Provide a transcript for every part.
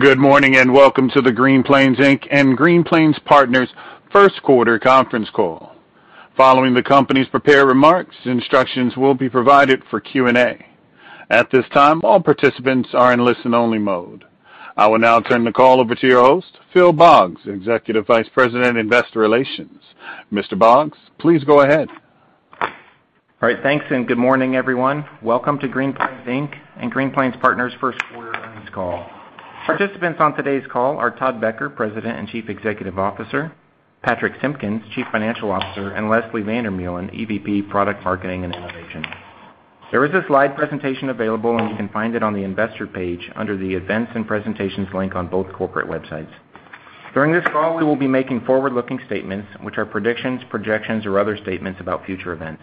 Good morning, and welcome to the Green Plains Inc. and Green Plains Partners first quarter conference call. Following the company's prepared remarks, instructions will be provided for Q&A. At this time, all participants are in listen-only mode. I will now turn the call over to your host, Phil Boggs, Executive Vice President, Investor Relations. Mr. Boggs, please go ahead. All right. Thanks, and good morning, everyone. Welcome to Green Plains Inc. Green Plains Partners first quarter earnings call. Participants on today's call are Todd Becker, President and Chief Executive Officer, Patrich Simpkins, Chief Financial Officer, and Leslie van der Meulen, Executive Vice President, Product Marketing and Innovation. There is a slide presentation available and you can find it on the investor page under the Events and Presentations link on both corporate websites. During this call, we will be making forward-looking statements which are predictions, projections, or other statements about future events.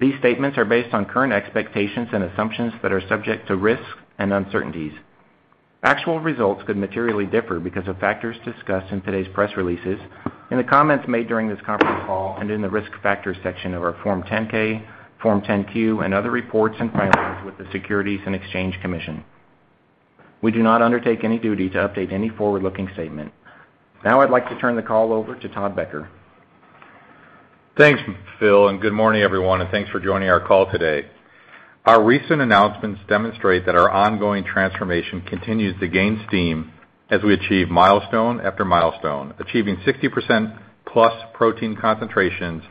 These statements are based on current expectations and assumptions that are subject to risks and uncertainties. Actual results could materially differ because of factors discussed in today's press releases, in the comments made during this conference call, and in the Risk Factors section of our Form 10-K, Form 10-Q, and other reports and filings with the Securities and Exchange Commission. We do not undertake any duty to update any forward-looking statement. Now I'd like to turn the call over to Todd Becker. Thanks, Phil, and good morning, everyone, and thanks for joining our call today. Our recent announcements demonstrate that our ongoing transformation continues to gain steam as we achieve milestone after milestone. Achieving 60% plus protein concentrations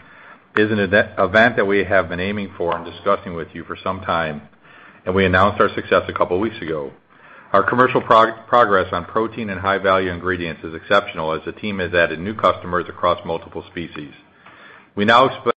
is an event that we have been aiming for and discussing with you for some time, and we announced our success a couple weeks ago. Our commercial progress on protein and high-value ingredients is exceptional as the team has added new customers across multiple species. We now expect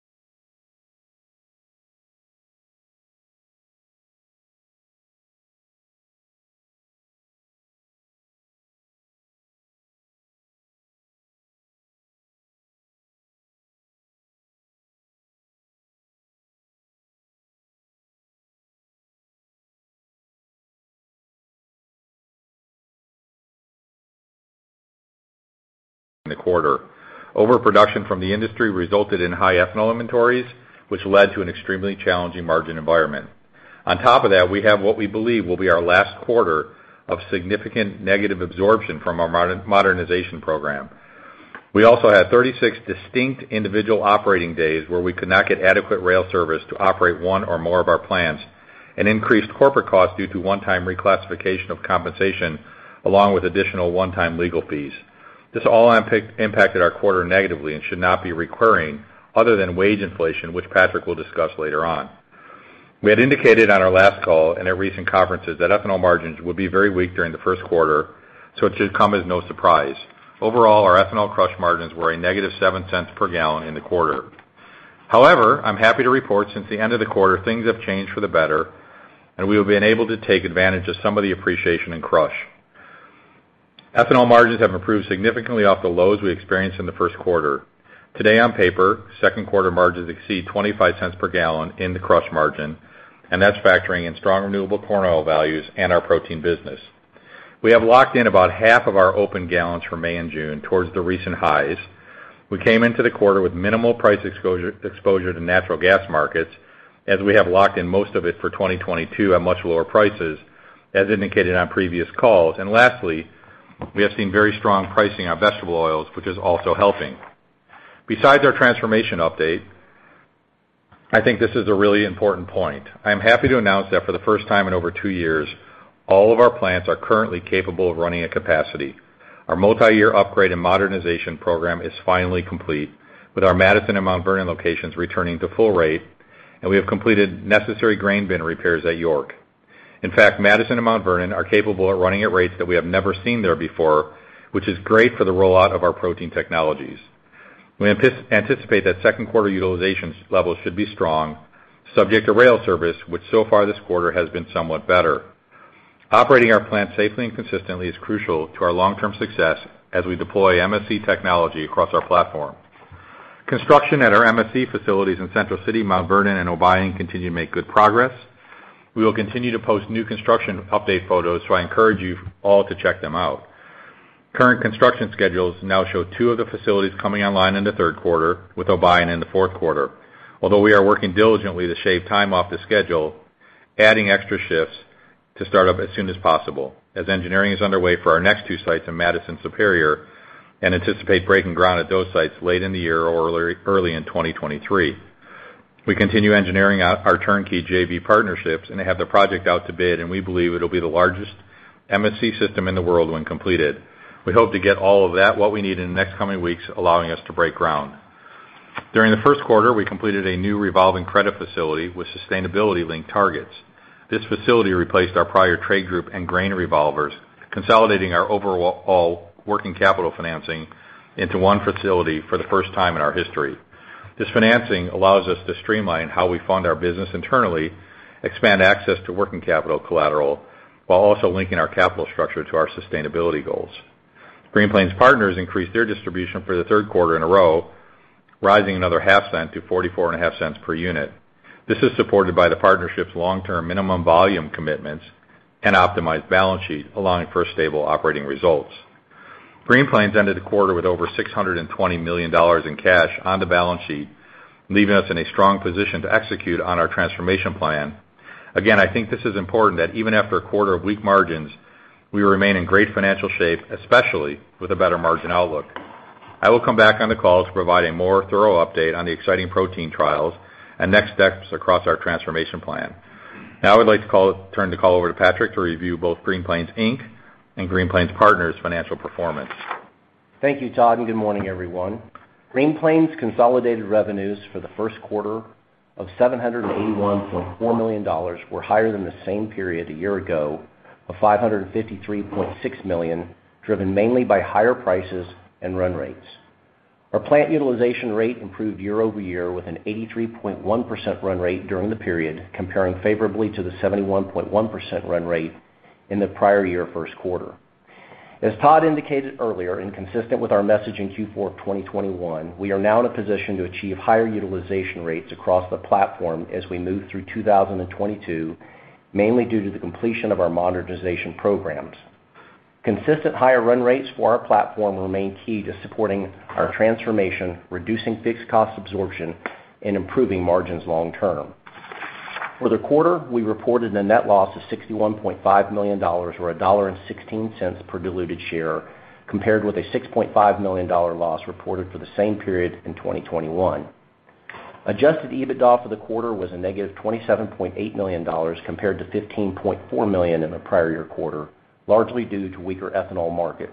in the quarter. Overproduction from the industry resulted in high ethanol inventories, which led to an extremely challenging margin environment. On top of that, we have what we believe will be our last quarter of significant negative absorption from our modernization program. We also had 36 distinct individual operating days where we could not get adequate rail service to operate one or more of our plants and increased corporate costs due to one-time reclassification of compensation, along with additional one-time legal fees. This all impacted our quarter negatively and should not be recurring other than wage inflation, which Patrick will discuss later on. We had indicated on our last call and at recent conferences that ethanol margins would be very weak during the first quarter, so it should come as no surprise. Overall, our ethanol crush margins were -$0.07 per gallon in the quarter. However, I'm happy to report since the end of the quarter, things have changed for the better, and we have been able to take advantage of some of the appreciation in crush. Ethanol margins have improved significantly off the lows we experienced in the first quarter. Today on paper, second quarter margins exceed $0.25 per gallon in the crush margin, and that's factoring in strong renewable corn oil values and our protein business. We have locked in about half of our open gallons for May and June towards the recent highs. We came into the quarter with minimal price exposure to natural gas markets, as we have locked in most of it for 2022 at much lower prices, as indicated on previous calls. Lastly, we have seen very strong pricing on vegetable oils, which is also helping. Besides our transformation update, I think this is a really important point. I am happy to announce that for the first time in over two years, all of our plants are currently capable of running at capacity. Our multiyear upgrade and modernization program is finally complete, with our Madison and Mount Vernon locations returning to full rate, and we have completed necessary grain bin repairs at York. In fact, Madison and Mount Vernon are capable of running at rates that we have never seen there before, which is great for the rollout of our protein technologies. We anticipate that second quarter utilization levels should be strong, subject to rail service, which so far this quarter has been somewhat better. Operating our plant safely and consistently is crucial to our long-term success as we deploy MSC technology across our platform. Construction at our MSC facilities in Central City, Mount Vernon, and Obion continue to make good progress. We will continue to post new construction update photos, so I encourage you all to check them out. Current construction schedules now show two of the facilities coming online in the third quarter, with Obion in the fourth quarter. Although we are working diligently to shave time off the schedule, adding extra shifts to start up as soon as possible, as engineering is underway for our next two sites in Madison and Superior, and anticipate breaking ground at those sites late in the year or early in 2023. We continue engineering our turnkey JV partnerships and have the project out to bid, and we believe it'll be the largest MSC system in the world when completed. We hope to get all of that what we need in the next coming weeks, allowing us to break ground. During the first quarter, we completed a new revolving credit facility with sustainability-linked targets. This facility replaced our prior trade group and grain revolvers, consolidating our overall working capital financing into one facility for the first time in our history. This financing allows us to streamline how we fund our business internally, expand access to working capital collateral, while also linking our capital structure to our sustainability goals. Green Plains Partners increased their distribution for the third quarter in a row, rising another half cent to 44.5 cents per unit. This is supported by the partnership's long-term minimum volume commitments and optimized balance sheet, allowing for stable operating results. Green Plains ended the quarter with over $620 million in cash on the balance sheet, leaving us in a strong position to execute on our transformation plan. Again, I think this is important that even after a quarter of weak margins, we remain in great financial shape, especially with a better margin outlook. I will come back on the call to provide a more thorough update on the exciting protein trials and next steps across our transformation plan. Now I would like to turn the call over to Patrich Simpkins to review both Green Plains Inc. and Green Plains Partners' financial performance. Thank you, Todd, and good morning, everyone. Green Plains' consolidated revenues for the first quarter of $781.4 million were higher than the same period a year ago of $553.6 million, driven mainly by higher prices and run rates. Our plant utilization rate improved year-over-year with an 83.1% run rate during the period, comparing favorably to the 71.1% run rate in the prior year first quarter. As Todd indicated earlier, and consistent with our message in Q4 of 2021, we are now in a position to achieve higher utilization rates across the platform as we move through 2022, mainly due to the completion of our modernization programs. Consistent higher run rates for our platform remain key to supporting our transformation, reducing fixed cost absorption, and improving margins long term. For the quarter, we reported a net loss of $61.5 million, or $1.16 per diluted share, compared with a $6.5 million loss reported for the same period in 2021. Adjusted EBITDA for the quarter was a negative $27.8 million, compared to $15.4 million in the prior year quarter, largely due to weaker ethanol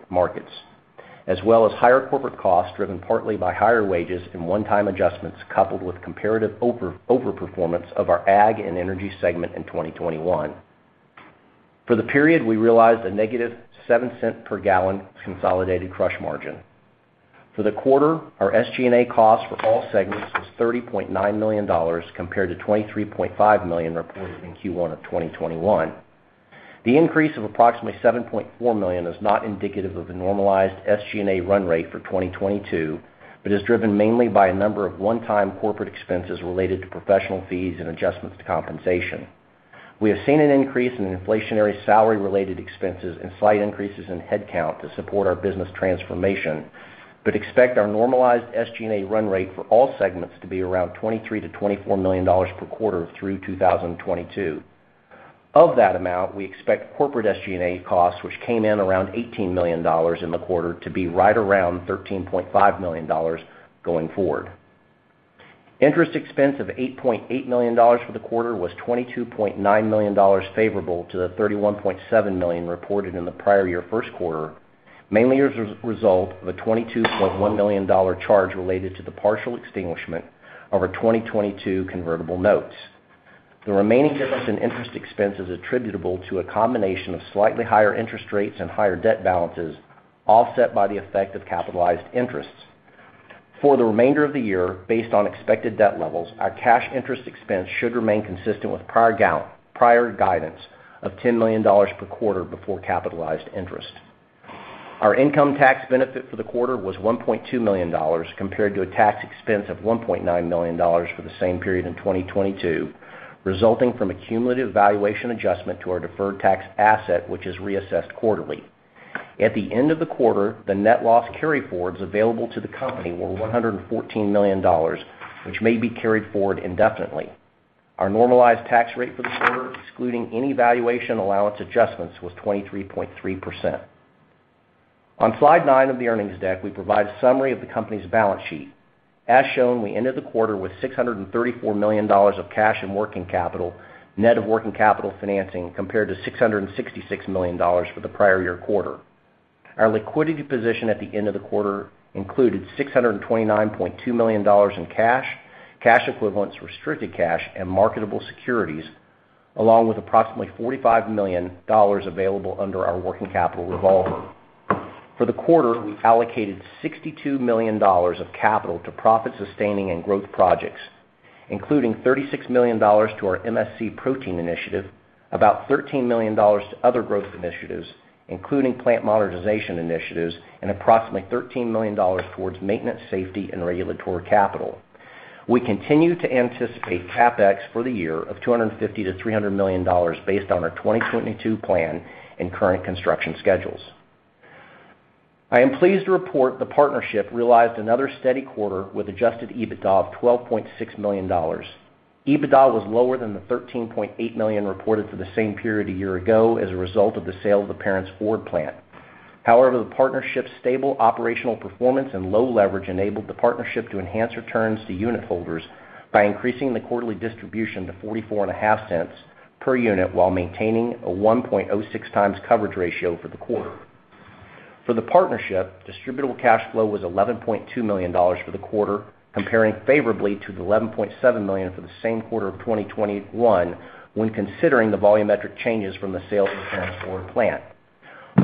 markets, as well as higher corporate costs, driven partly by higher wages and one-time adjustments, coupled with comparative overperformance of our Ag and Energy segment in 2021. For the period, we realized a negative $0.07 per gallon consolidated crush margin. For the quarter, our SG&A costs for all segments was $30.9 million, compared to $23.5 million reported in Q1 of 2021. The increase of approximately $7.4 million is not indicative of a normalized SG&A run rate for 2022, but is driven mainly by a number of one-time corporate expenses related to professional fees and adjustments to compensation. We have seen an increase in inflationary salary-related expenses and slight increases in headcount to support our business transformation, but expect our normalized SG&A run rate for all segments to be around $23-$24 million per quarter through 2022. Of that amount, we expect corporate SG&A costs, which came in around $18 million in the quarter, to be right around $13.5 million going forward. Interest expense of $8.8 million for the quarter was $22.9 million favorable to the $31.7 million reported in the prior year first quarter, mainly as a result of a $22.1 million dollar charge related to the partial extinguishment of our 2022 convertible notes. The remaining difference in interest expense is attributable to a combination of slightly higher interest rates and higher debt balances, offset by the effect of capitalized interests. For the remainder of the year, based on expected debt levels, our cash interest expense should remain consistent with prior guidance of $10 million per quarter before capitalized interest. Our income tax benefit for the quarter was $1.2 million, compared to a tax expense of $1.9 million for the same period in 2022, resulting from a cumulative valuation adjustment to our deferred tax asset, which is reassessed quarterly. At the end of the quarter, the net loss carryforwards available to the company were $114 million, which may be carried forward indefinitely. Our normalized tax rate for the quarter, excluding any valuation allowance adjustments, was 23.3%. On slide 9 of the earnings deck, we provide a summary of the company's balance sheet. As shown, we ended the quarter with $634 million of cash and working capital, net of working capital financing, compared to $666 million for the prior year quarter. Our liquidity position at the end of the quarter included $629.2 million in cash equivalents, restricted cash, and marketable securities, along with approximately $45 million available under our working capital revolver. For the quarter, we allocated $62 million of capital to profit-sustaining and growth projects, including $36 million to our MSC protein initiative, about $13 million to other growth initiatives, including plant modernization initiatives, and approximately $13 million towards maintenance, safety, and regulatory capital. We continue to anticipate CapEx for the year of $250 million-$300 million based on our 2022 plan and current construction schedules. I am pleased to report the partnership realized another steady quarter with Adjusted EBITDA of $12.6 million. EBITDA was lower than the $13.8 million reported for the same period a year ago as a result of the sale of the Hereford plant. However, the partnership's stable operational performance and low leverage enabled the partnership to enhance returns to unitholders by increasing the quarterly distribution to 44.5 cents per unit while maintaining a 1.06x coverage ratio for the quarter. For the partnership, distributable cash flow was $11.2 million for the quarter, comparing favorably to the $11.7 million for the same quarter of 2021 when considering the volumetric changes from the sale of the Hereford plant.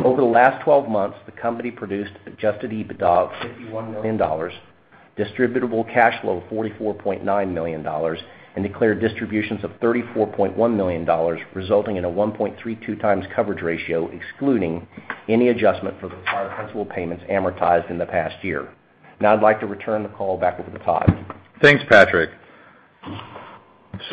Over the last 12 months, the company produced Adjusted EBITDA of $51 million, distributable cash flow of $44.9 million, and declared distributions of $34.1 million, resulting in a 1.32 times coverage ratio, excluding any adjustment for the prior principal payments amortized in the past year. Now I'd like to return the call back over to Todd. Thanks, Patrich.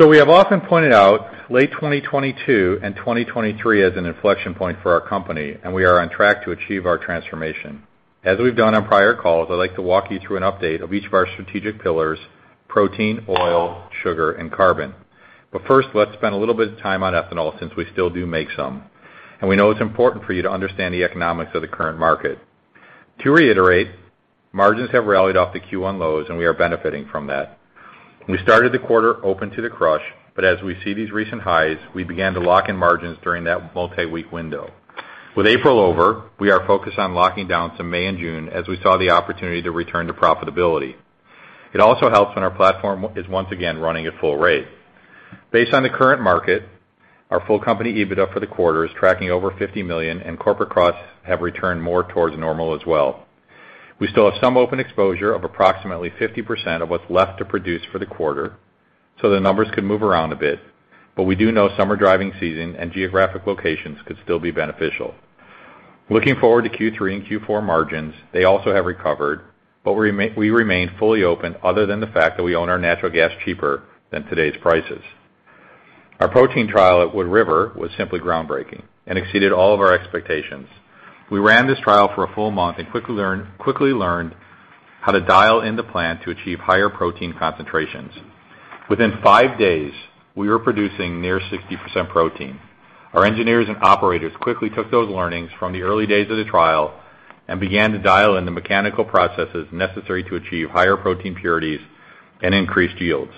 We have often pointed out late 2022 and 2023 as an inflection point for our company, and we are on track to achieve our transformation. As we've done on prior calls, I'd like to walk you through an update of each of our strategic pillars, protein, oil, sugar, and carbon. First, let's spend a little bit of time on ethanol since we still do make some, and we know it's important for you to understand the economics of the current market. To reiterate, margins have rallied off the Q1 lows, and we are benefiting from that. We started the quarter open to the crush, but as we see these recent highs, we began to lock in margins during that multi-week window. With April over, we are focused on locking down some May and June as we saw the opportunity to return to profitability. It also helps when our platform is once again running at full rate. Based on the current market, our full company EBITDA for the quarter is tracking over $50 million, and corporate costs have returned more towards normal as well. We still have some open exposure of approximately 50% of what's left to produce for the quarter, so the numbers could move around a bit, but we do know summer driving season and geographic locations could still be beneficial. Looking forward to Q3 and Q4 margins, they also have recovered, but we remain fully open other than the fact that we own our natural gas cheaper than today's prices. Our protein trial at Wood River was simply groundbreaking and exceeded all of our expectations. We ran this trial for a full month and quickly learned how to dial in the plant to achieve higher protein concentrations. Within 5 days, we were producing near 60% protein. Our engineers and operators quickly took those learnings from the early days of the trial and began to dial in the mechanical processes necessary to achieve higher protein purities and increased yields.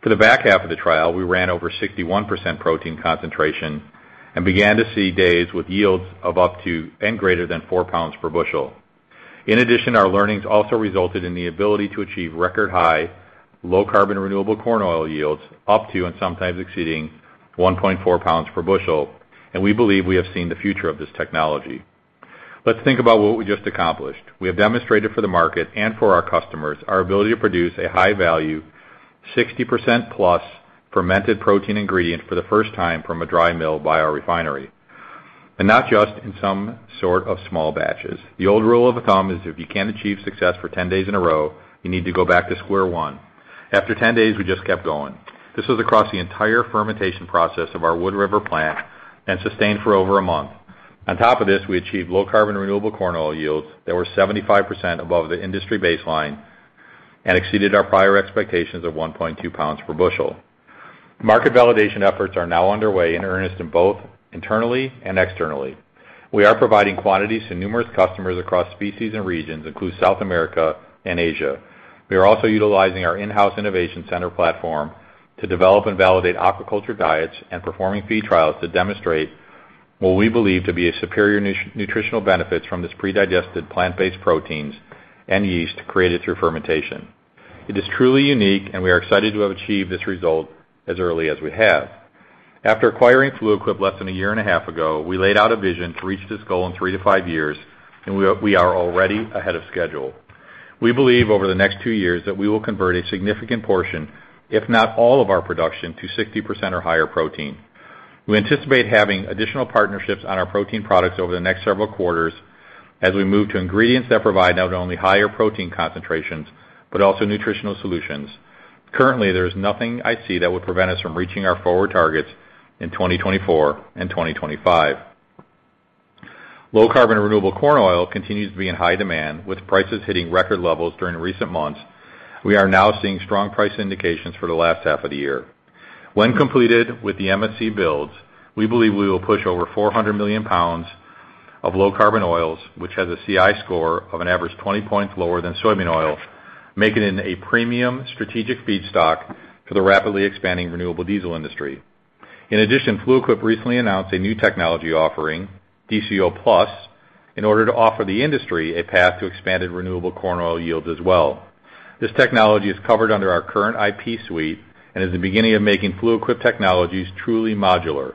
For the back half of the trial, we ran over 61% protein concentration and began to see days with yields of up to and greater than 4 pounds per bushel. In addition, our learnings also resulted in the ability to achieve record high low carbon renewable corn oil yields up to and sometimes exceeding 1.4 pounds per bushel, and we believe we have seen the future of this technology. Let's think about what we just accomplished. We have demonstrated for the market and for our customers our ability to produce a high-value, 60%+ fermented protein ingredient for the first time from a dry mill by our refinery, and not just in some sort of small batches. The old rule of thumb is if you can't achieve success for 10 days in a row, you need to go back to square one. After 10 days, we just kept going. This was across the entire fermentation process of our Wood River plant and sustained for over a month. On top of this, we achieved low carbon renewable corn oil yields that were 75 above the industry baseline and exceeded our prior expectations of 1.2 pounds per bushel. Market validation efforts are now underway in earnest both internally and externally. We are providing quantities to numerous customers across species and regions, including South America and Asia. We are also utilizing our in-house innovation center platform to develop and validate aquaculture diets and performing feed trials to demonstrate what we believe to be a superior nutritional benefits from this predigested plant-based proteins and yeast created through fermentation. It is truly unique, and we are excited to have achieved this result as early as we have. After acquiring Fluid Quip less than a year and a half ago, we laid out a vision to reach this goal in 3-5 years, and we are already ahead of schedule. We believe over the next 2 years that we will convert a significant portion, if not all of our production, to 60% or higher protein. We anticipate having additional partnerships on our protein products over the next several quarters as we move to ingredients that provide not only higher protein concentrations, but also nutritional solutions. Currently, there is nothing I see that would prevent us from reaching our forward targets in 2024 and 2025. Low carbon renewable corn oil continues to be in high demand, with prices hitting record levels during recent months. We are now seeing strong price indications for the last half of the year. When completed with the MSC builds, we believe we will push over 400 million pounds of low carbon oils, which has a CI score of an average 20 points lower than soybean oil, making it a premium strategic feedstock for the rapidly expanding renewable diesel industry. In addition, Fluid Quip recently announced a new technology offering, DCO+, in order to offer the industry a path to expanded renewable corn oil yields as well. This technology is covered under our current IP suite and is the beginning of making Fluid Quip technologies truly modular.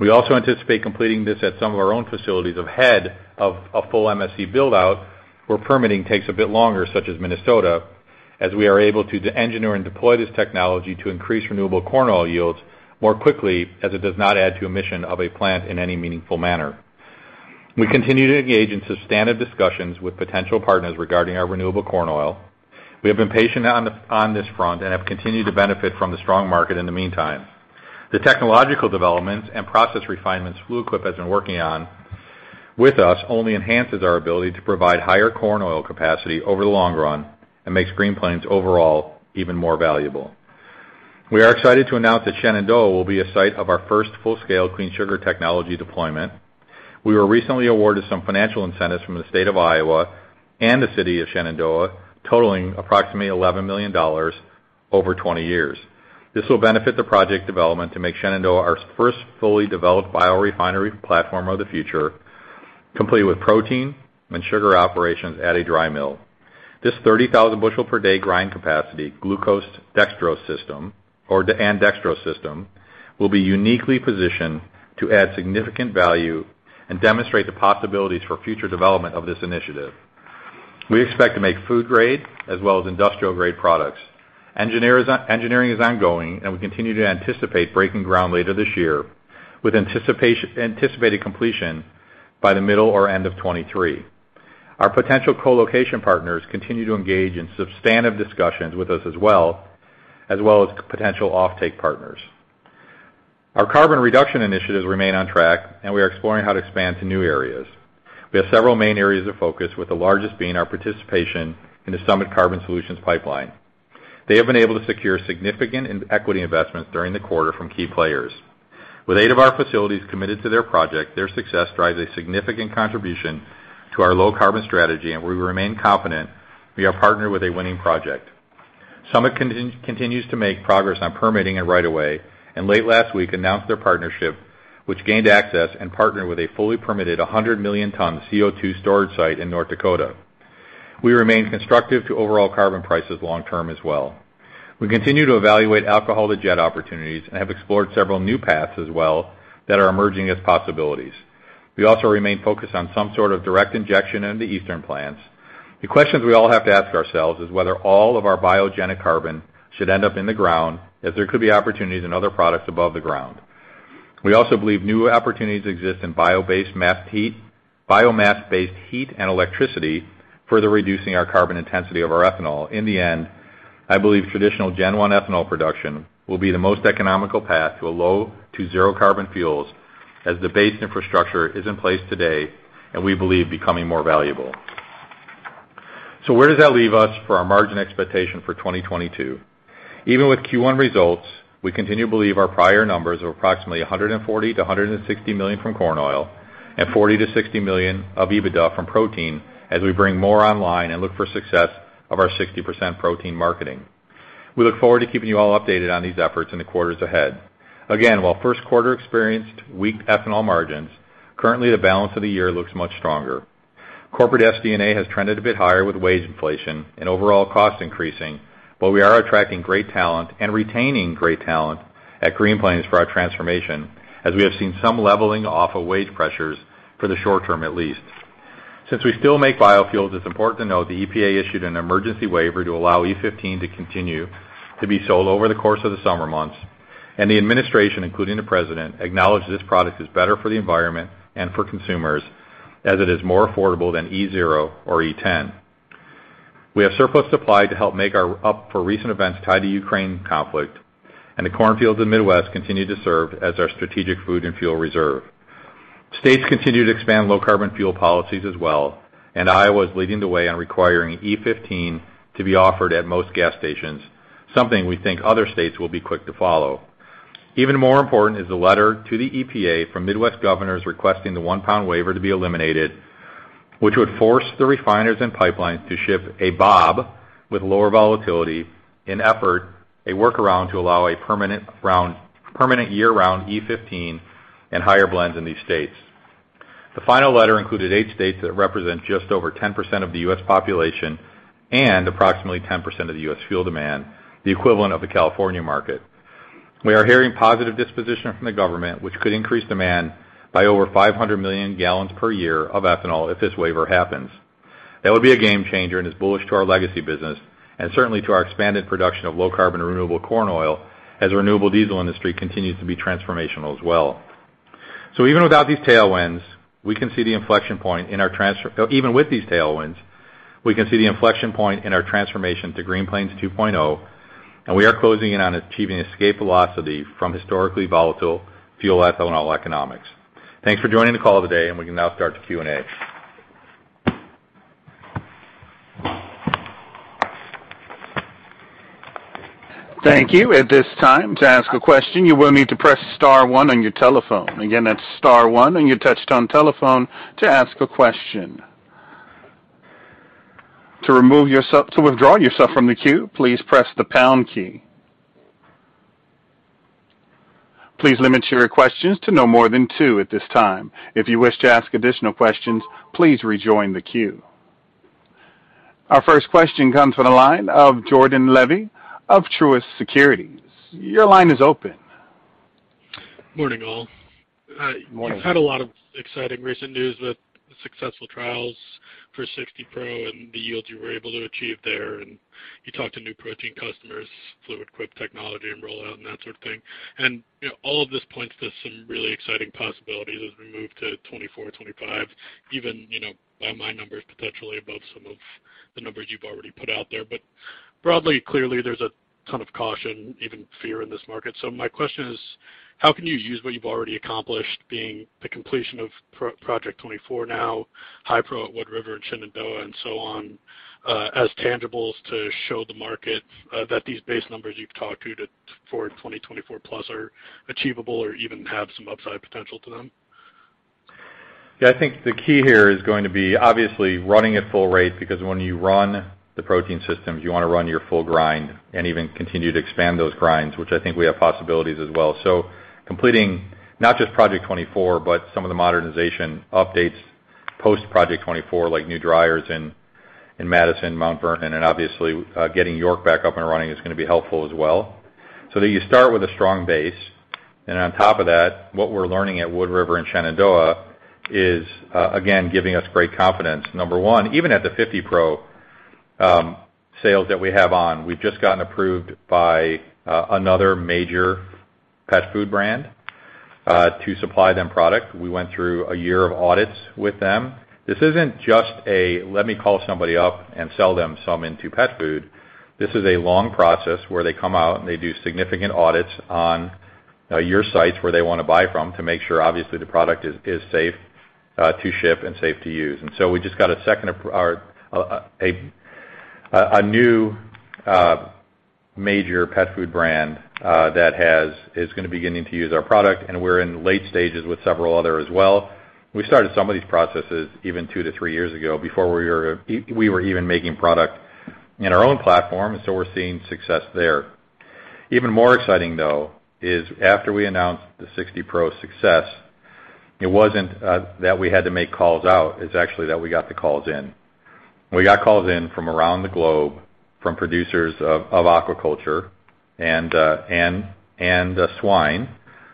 We also anticipate completing this at some of our own facilities ahead of a full MSC build-out, where permitting takes a bit longer, such as Minnesota, as we are able to engineer and deploy this technology to increase renewable corn oil yields more quickly as it does not add to emission of a plant in any meaningful manner. We continue to engage in substantive discussions with potential partners regarding our renewable corn oil. We have been patient on this front and have continued to benefit from the strong market in the meantime. The technological developments and process refinements Fluid Quip has been working on with us only enhances our ability to provide higher corn oil capacity over the long run and makes Green Plains overall even more valuable. We are excited to announce that Shenandoah will be a site of our first full-scale Clean Sugar Technology deployment. We were recently awarded some financial incentives from the state of Iowa and the city of Shenandoah, totaling approximately $11 million over 20 years. This will benefit the project development to make Shenandoah our first fully developed biorefinery platform of the future, complete with protein and sugar operations at a dry mill. This 30,000-bushel-per-day grind capacity glucose dextrose system and dextrose system will be uniquely positioned to add significant value and demonstrate the possibilities for future development of this initiative. We expect to make food grade as well as industrial grade products. Engineering is ongoing, and we continue to anticipate breaking ground later this year with anticipated completion by the middle or end of 2023. Our potential co-location partners continue to engage in substantive discussions with us as well as potential offtake partners. Our carbon reduction initiatives remain on track, and we are exploring how to expand to new areas. We have several main areas of focus, with the largest being our participation in the Summit Carbon Solutions pipeline. They have been able to secure significant equity investments during the quarter from key players. With eight of our facilities committed to their project, their success drives a significant contribution to our low carbon strategy, and we remain confident we are partnered with a winning project. Summit continues to make progress on permitting and right-of-way, and late last week announced their partnership, which gained access and partnered with a fully permitted 100 million ton CO₂ storage site in North Dakota. We remain constructive to overall carbon prices long term as well. We continue to evaluate alcohol-to-jet opportunities and have explored several new paths as well that are emerging as possibilities. We also remain focused on some sort of direct injection into eastern plants. The questions we all have to ask ourselves is whether all of our biogenic carbon should end up in the ground as there could be opportunities in other products above the ground. We also believe new opportunities exist in bio-based biomass-based heat and electricity, further reducing our carbon intensity of our ethanol. In the end, I believe traditional gen one ethanol production will be the most economical path to a low to zero carbon fuels as the base infrastructure is in place today and we believe becoming more valuable. Where does that leave us for our margin expectation for 2022? Even with Q1 results, we continue to believe our prior numbers of approximately $140 million-$160 million from corn oil and $40 million-$60 million of EBITDA from protein as we bring more online and look for success of our 60% protein marketing. We look forward to keeping you all updated on these efforts in the quarters ahead. Again, while first quarter experienced weak ethanol margins, currently the balance of the year looks much stronger. Corporate SG&A has trended a bit higher with wage inflation and overall costs increasing, but we are attracting great talent and retaining great talent at Green Plains for our transformation as we have seen some leveling off of wage pressures for the short term, at least. Since we still make biofuels, it's important to note the EPA issued an emergency waiver to allow E15 to continue to be sold over the course of the summer months. The administration, including the President, acknowledged this product is better for the environment and for consumers as it is more affordable than E0 or E10. We have surplus supply to help make up for recent events tied to Ukraine conflict, and the corn fields in Midwest continue to serve as our strategic food and fuel reserve. States continue to expand low carbon fuel policies as well, and Iowa is leading the way on requiring E15 to be offered at most gas stations, something we think other states will be quick to follow. Even more important is the letter to the EPA from Midwest governors requesting the 1-pound RVP waiver to be eliminated, which would force the refiners and pipelines to ship a BOB with lower volatility intended as a workaround to allow permanent year-round E15 and higher blends in these states. The final letter included 8 states that represent just over 10% of the U.S. population and approximately 10% of the U.S. fuel demand, the equivalent of the California market. We are hearing positive disposition from the government, which could increase demand by over 500 million gallons per year of ethanol if this waiver happens. That would be a game changer and is bullish to our legacy business and certainly to our expanded production of low carbon renewable corn oil as the renewable diesel industry continues to be transformational as well. Even with these tailwinds, we can see the inflection point in our transformation to Green Plains 2.0, and we are closing in on achieving escape velocity from historically volatile fuel ethanol economics. Thanks for joining the call today, and we can now start the Q&A. Thank you. At this time, to ask a question, you will need to press star one on your telephone. Again, that's star one on your touchtone telephone to ask a question. To withdraw yourself from the queue, please press the pound key. Please limit your questions to no more than two at this time. If you wish to ask additional questions, please rejoin the queue. Our first question comes from the line of Jordan Levy of Truist Securities. Your line is open. Morning, all. Morning. You've had a lot of exciting recent news with successful trials for 60 Pro and the yields you were able to achieve there, and you talked to new protein customers, Fluid Quip Technologies and rollout and that sort of thing. You know, all of this points to some really exciting possibilities as we move to 2024, 2025, even, you know, by my numbers, potentially above some of the numbers you've already put out there. Broadly, clearly, there's a ton of caution, even fear in this market. My question is, how can you use what you've already accomplished, being the completion of Project 24 now, Hi-Pro at Wood River and Shenandoah and so on, as tangibles to show the market that these base numbers you've talked to for 2024 plus are achievable or even have some upside potential to them? Yeah. I think the key here is going to be obviously running at full rate, because when you run the protein systems, you wanna run your full grind and even continue to expand those grinds, which I think we have possibilities as well. Completing not just Project 24, but some of the modernization updates post Project 24, like new dryers in Madison, Mount Vernon, and obviously getting York back up and running is gonna be helpful as well. You start with a strong base, and on top of that, what we're learning at Wood River and Shenandoah is again giving us great confidence. Number one, even at the 50 Pro sales that we have on, we've just gotten approved by another major pet food brand to supply them product. We went through a year of audits with them. This isn't just a let me call somebody up and sell them some into pet food. This is a long process where they come out, and they do significant audits on your sites where they wanna buy from to make sure obviously the product is safe to ship and safe to use. We just got a new major pet food brand that is gonna be beginning to use our product, and we're in late stages with several other as well. We started some of these processes even two to three years ago before we were even making product in our own platform. We're seeing success there. Even more exciting, though, is after we announced the 60 Pro success, it wasn't that we had to make calls out. It's actually that we got the calls in. We got calls in from around the globe from producers of aquaculture and swine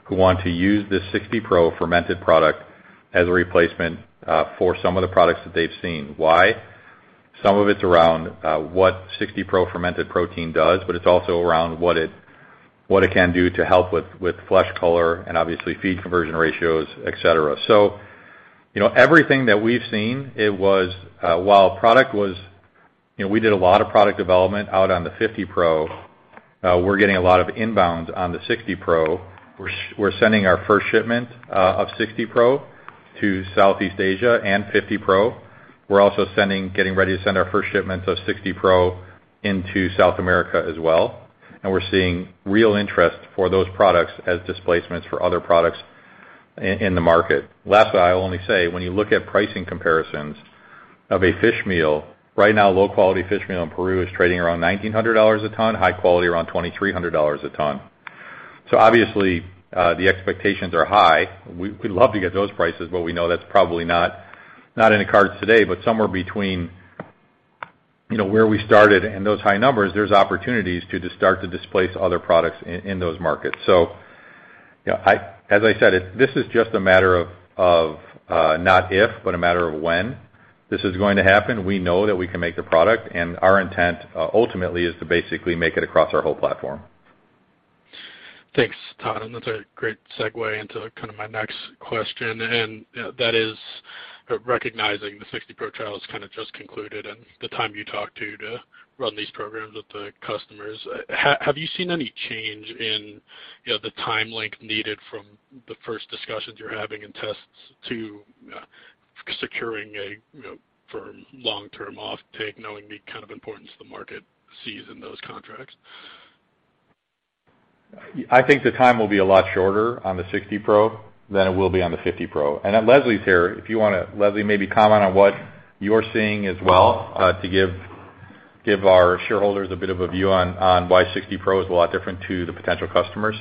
who want to use this 60 Pro fermented product as a replacement for some of the products that they've seen. Why? Some of it's around what 60 Pro fermented protein does, but it's also around what it can do to help with flesh color and obviously feed conversion ratios, et cetera. You know, everything that we've seen. You know, we did a lot of product development out on the 50 Pro. We're getting a lot of inbounds on the 60 Pro. We're sending our first shipment of 60 Pro to Southeast Asia and 50 Pro. We're getting ready to send our first shipments of 60 Pro into South America as well. We're seeing real interest for those products as displacements for other products in the market. Last, I will only say, when you look at pricing comparisons of a fish meal, right now, low quality fish meal in Peru is trading around $1,900 a ton, high quality around $2,300 a ton. Obviously, the expectations are high. We'd love to get those prices, but we know that's probably not in the cards today, but somewhere between, you know, where we started and those high numbers, there's opportunities to just start to displace other products in those markets. You know, as I said, this is just a matter of not if, but a matter of when this is going to happen. We know that we can make the product, and our intent ultimately is to basically make it across our whole platform. Thanks, Todd, and that's a great segue into kind of my next question. You know, that is recognizing the 60 Pro trial is kinda just concluded and the time you talked about to run these programs with the customers. Have you seen any change in, you know, the time length needed from the first discussions you're having in tests to securing a, you know, firm long-term offtake, knowing the kind of importance the market sees in those contracts? I think the time will be a lot shorter on the 60 Pro than it will be on the 50 Pro. Leslie's here. If you wanna, Leslie, maybe comment on what you're seeing as well, to give our shareholders a bit of a view on why 60 Pro is a lot different to the potential customers.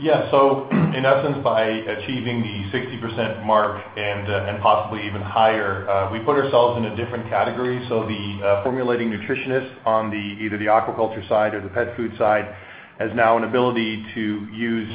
Yeah. In essence, by achieving the 60% mark and possibly even higher, we put ourselves in a different category. The formulating nutritionist on either the aquaculture side or the pet food side has now an ability to use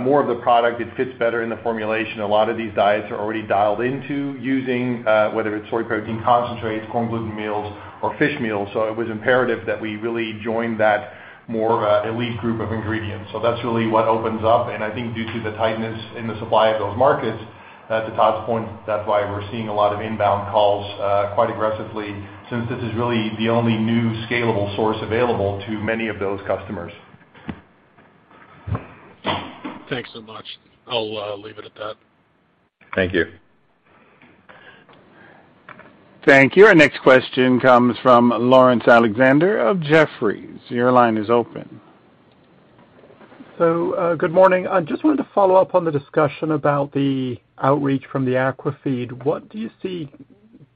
more of the product. It fits better in the formulation. A lot of these diets are already dialed into using whether it's soy protein concentrates, corn gluten meals, or fish meals. It was imperative that we really join that more elite group of ingredients. That's really what opens up. I think due to the tightness in the supply of those markets, to Todd's point, that's why we're seeing a lot of inbound calls quite aggressively since this is really the only new scalable source available to many of those customers. Thanks so much. I'll leave it at that. Thank you. Thank you. Our next question comes from Laurence Alexander of Jefferies. Your line is open. Good morning. I just wanted to follow up on the discussion about the outreach from the aquafeed. What do you see,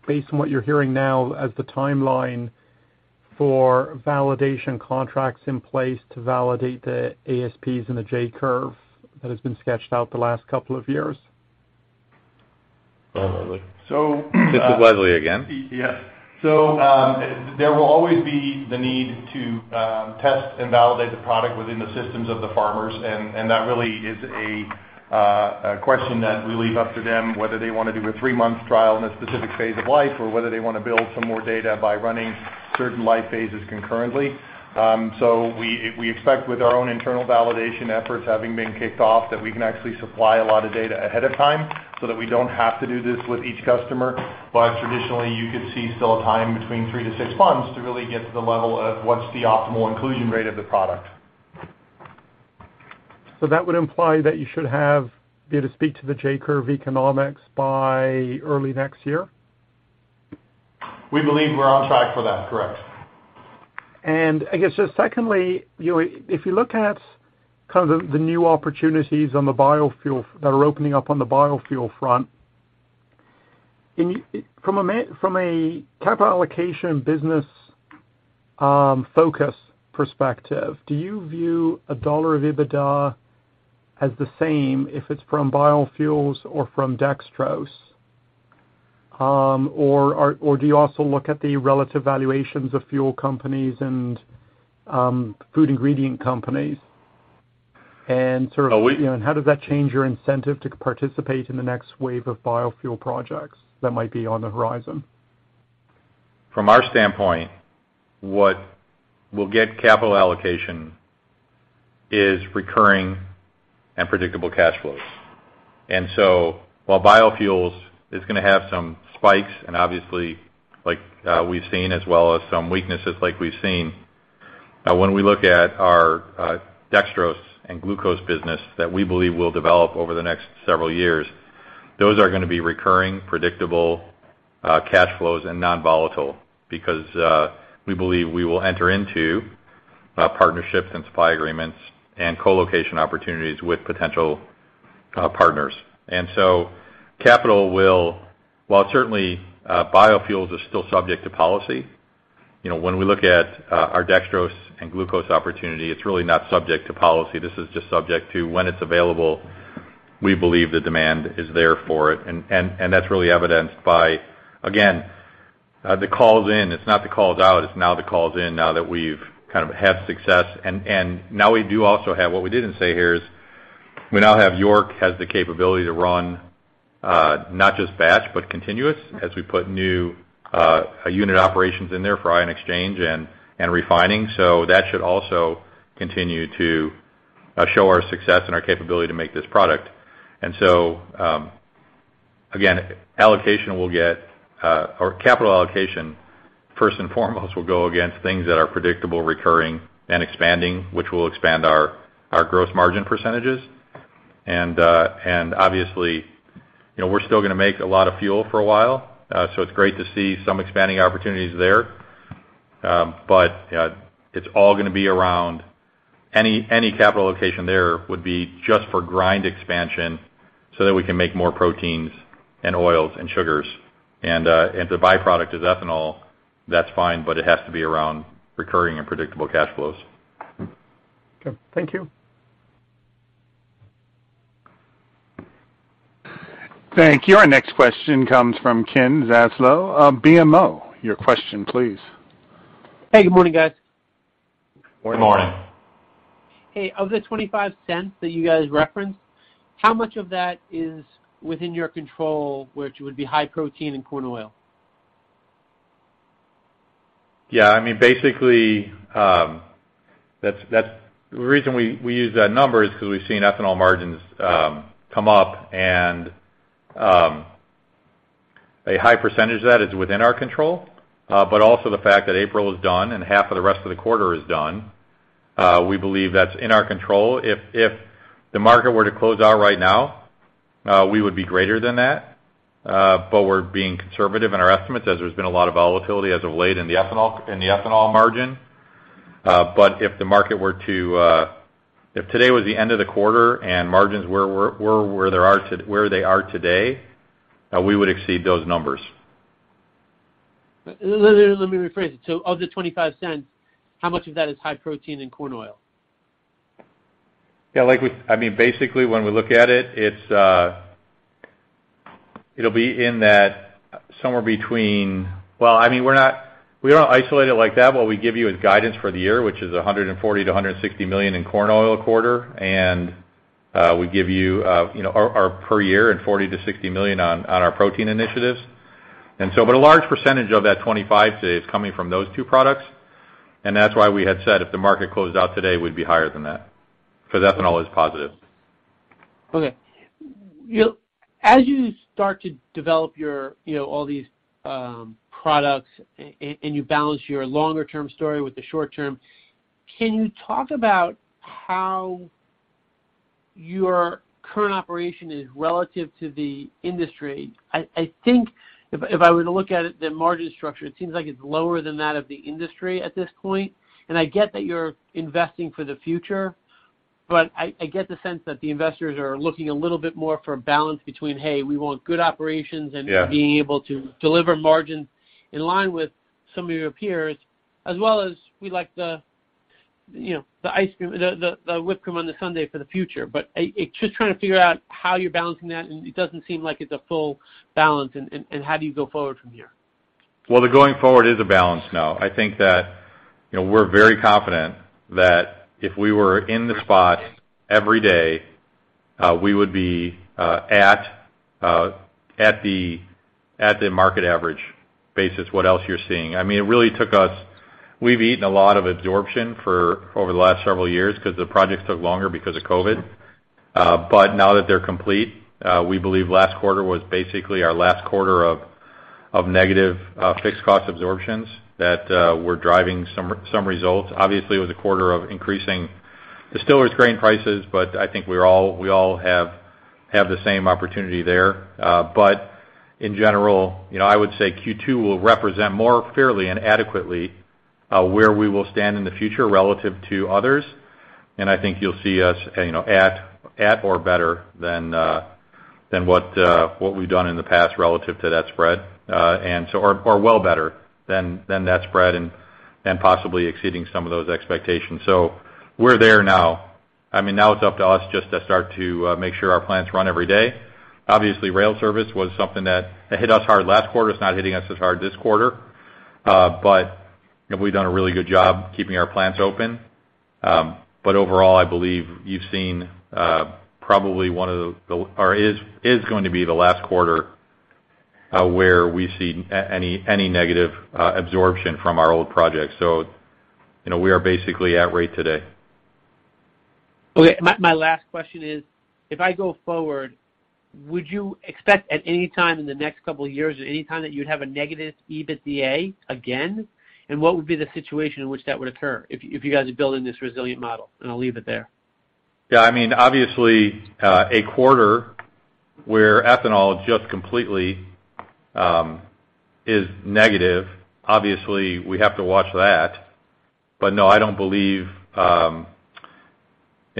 based on what you're hearing now, as the timeline for validation contracts in place to validate the ASPs and the J-curve that has been sketched out the last couple of years? Go ahead, Leslie. So this is Leslie again. Yes. There will always be the need to test and validate the product within the systems of the farmers, and that really is a question that we leave up to them, whether they wanna do a 3-month trial in a specific phase of life or whether they wanna build some more data by running certain life phases concurrently. We expect with our own internal validation efforts having been kicked off, that we can actually supply a lot of data ahead of time so that we don't have to do this with each customer. But traditionally, you could see still a time between 3-6 months to really get to the level of what's the optimal inclusion rate of the product. That would imply that you should have data to speak to the J-curve economics by early next year? We believe we're on track for that, correct. I guess just secondly, if you look at kind of the new opportunities on the biofuel that are opening up on the biofuel front, from a capital allocation business focus perspective, do you view a dollar of EBITDA as the same if it's from biofuels or from dextrose, or do you also look at the relative valuations of fuel companies and food ingredient companies? Sort of Are we- You know, how does that change your incentive to participate in the next wave of biofuel projects that might be on the horizon? From our standpoint, what will get capital allocation is recurring and predictable cash flows. While biofuels is gonna have some spikes and obviously like, we've seen as well as some weaknesses like we've seen, when we look at our, dextrose and glucose business that we believe will develop over the next several years, those are gonna be recurring, predictable, cash flows and non-volatile. Because, we believe we will enter into, partnerships and supply agreements and co-location opportunities with potential, partners. While certainly, biofuels is still subject to policy, you know, when we look at, our dextrose and glucose opportunity, it's really not subject to policy. This is just subject to when it's available, we believe the demand is there for it. And that's really evidenced by, again, the calls in. It's not the calls out, it's now the calls in now that we've kind of had success. York has the capability to run not just batch but continuous as we put new unit operations in there for ion exchange and refining. That should also continue to show our success and our capability to make this product. Again, allocation will get or capital allocation first and foremost will go against things that are predictable, recurring and expanding, which will expand our gross margin percentages. Obviously, you know, we're still gonna make a lot of fuel for a while, so it's great to see some expanding opportunities there. It's all gonna be around any capital location there would be just for grind expansion so that we can make more proteins and oils and sugars. If the byproduct is ethanol, that's fine, but it has to be around recurring and predictable cash flows. Okay. Thank you. Thank you. Our next question comes from Ken Zaslow of BMO. Your question please. Hey, good morning, guys. Good morning. Good morning. Hey. Of the $0.25 that you guys referenced, how much of that is within your control, which would be high protein and corn oil? I mean, basically, that's the reason we use that number is 'cause we've seen ethanol margins come up and a high percentage of that is within our control. Also the fact that April is done and half of the rest of the quarter is done, we believe that's in our control. If the market were to close out right now, we would be greater than that, but we're being conservative in our estimates as there's been a lot of volatility as of late in the ethanol margin. If today was the end of the quarter and margins were where they are today, we would exceed those numbers. Let me rephrase it. Of the $0.25, how much of that is high protein and corn oil? I mean, basically when we look at it's, it'll be in that somewhere between. Well, I mean, we don't isolate it like that. What we give you is guidance for the year, which is $140 million-$160 million in corn oil a quarter. We give you know, our per year $40 million-$60 million on our protein initiatives. A large percentage of that 25% today is coming from those two products, and that's why we had said if the market closed out today, we'd be higher than that, 'cause ethanol is positive. Okay. As you start to develop your, you know, all these products and you balance your longer term story with the short term, can you talk about how your current operation is relative to the industry? I think if I were to look at it, the margin structure, it seems like it's lower than that of the industry at this point. I get that you're investing for the future, but I get the sense that the investors are looking a little bit more for a balance between, "Hey, we want good operations. Yeah. being able to deliver margins in line with some of your peers, as well as we like the, you know, the ice cream, the whipped cream on the sundae for the future. I'm just trying to figure out how you're balancing that, and it doesn't seem like it's a full balance and how do you go forward from here? Well, the going forward is a balance now. I think that, you know, we're very confident that if we were in the spot every day, we would be at the market average basis what you're seeing. I mean, it really took us. We've eaten a lot of absorption for over the last several years 'cause the projects took longer because of COVID. Now that they're complete, we believe last quarter was basically our last quarter of negative fixed cost absorptions that we're driving some results. Obviously, it was a quarter of increasing distillers' grain prices, but I think we all have the same opportunity there. In general, you know, I would say Q2 will represent more fairly and adequately where we will stand in the future relative to others. I think you'll see us at or better than what we've done in the past relative to that spread. Or well better than that spread and possibly exceeding some of those expectations. We're there now. I mean, now it's up to us just to start to make sure our plants run every day. Obviously, rail service was something that hit us hard last quarter. It's not hitting us as hard this quarter. You know, we've done a really good job keeping our plants open. Overall, I believe you've seen probably one of the or is going to be the last quarter where we see any negative absorption from our old projects. You know, we are basically at rate today. Okay. My last question is, if I go forward, would you expect at any time in the next couple of years, or any time that you'd have a negative EBITDA again? What would be the situation in which that would occur if you guys are building this resilient model? I'll leave it there. Yeah, I mean, obviously, a quarter where ethanol just completely is negative, obviously, we have to watch that. No, I don't believe,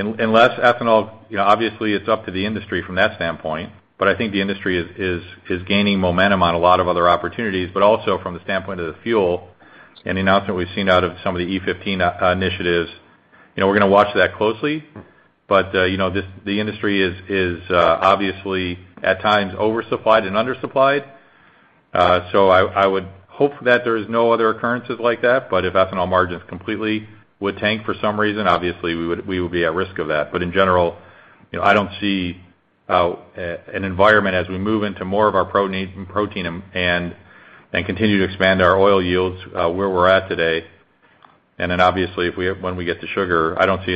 unless ethanol, you know, obviously, it's up to the industry from that standpoint, but I think the industry is gaining momentum on a lot of other opportunities, but also from the standpoint of the fuel and the announcement we've seen out of some of the E15 initiatives. You know, we're gonna watch that closely, but you know, the industry is obviously at times oversupplied and undersupplied. I would hope that there is no other occurrences like that, but if ethanol margins completely would tank for some reason, obviously, we would be at risk of that. In general, you know, I don't see an environment as we move into more of our protein and continue to expand our oil yields where we're at today. Then, obviously, when we get to sugar, I don't see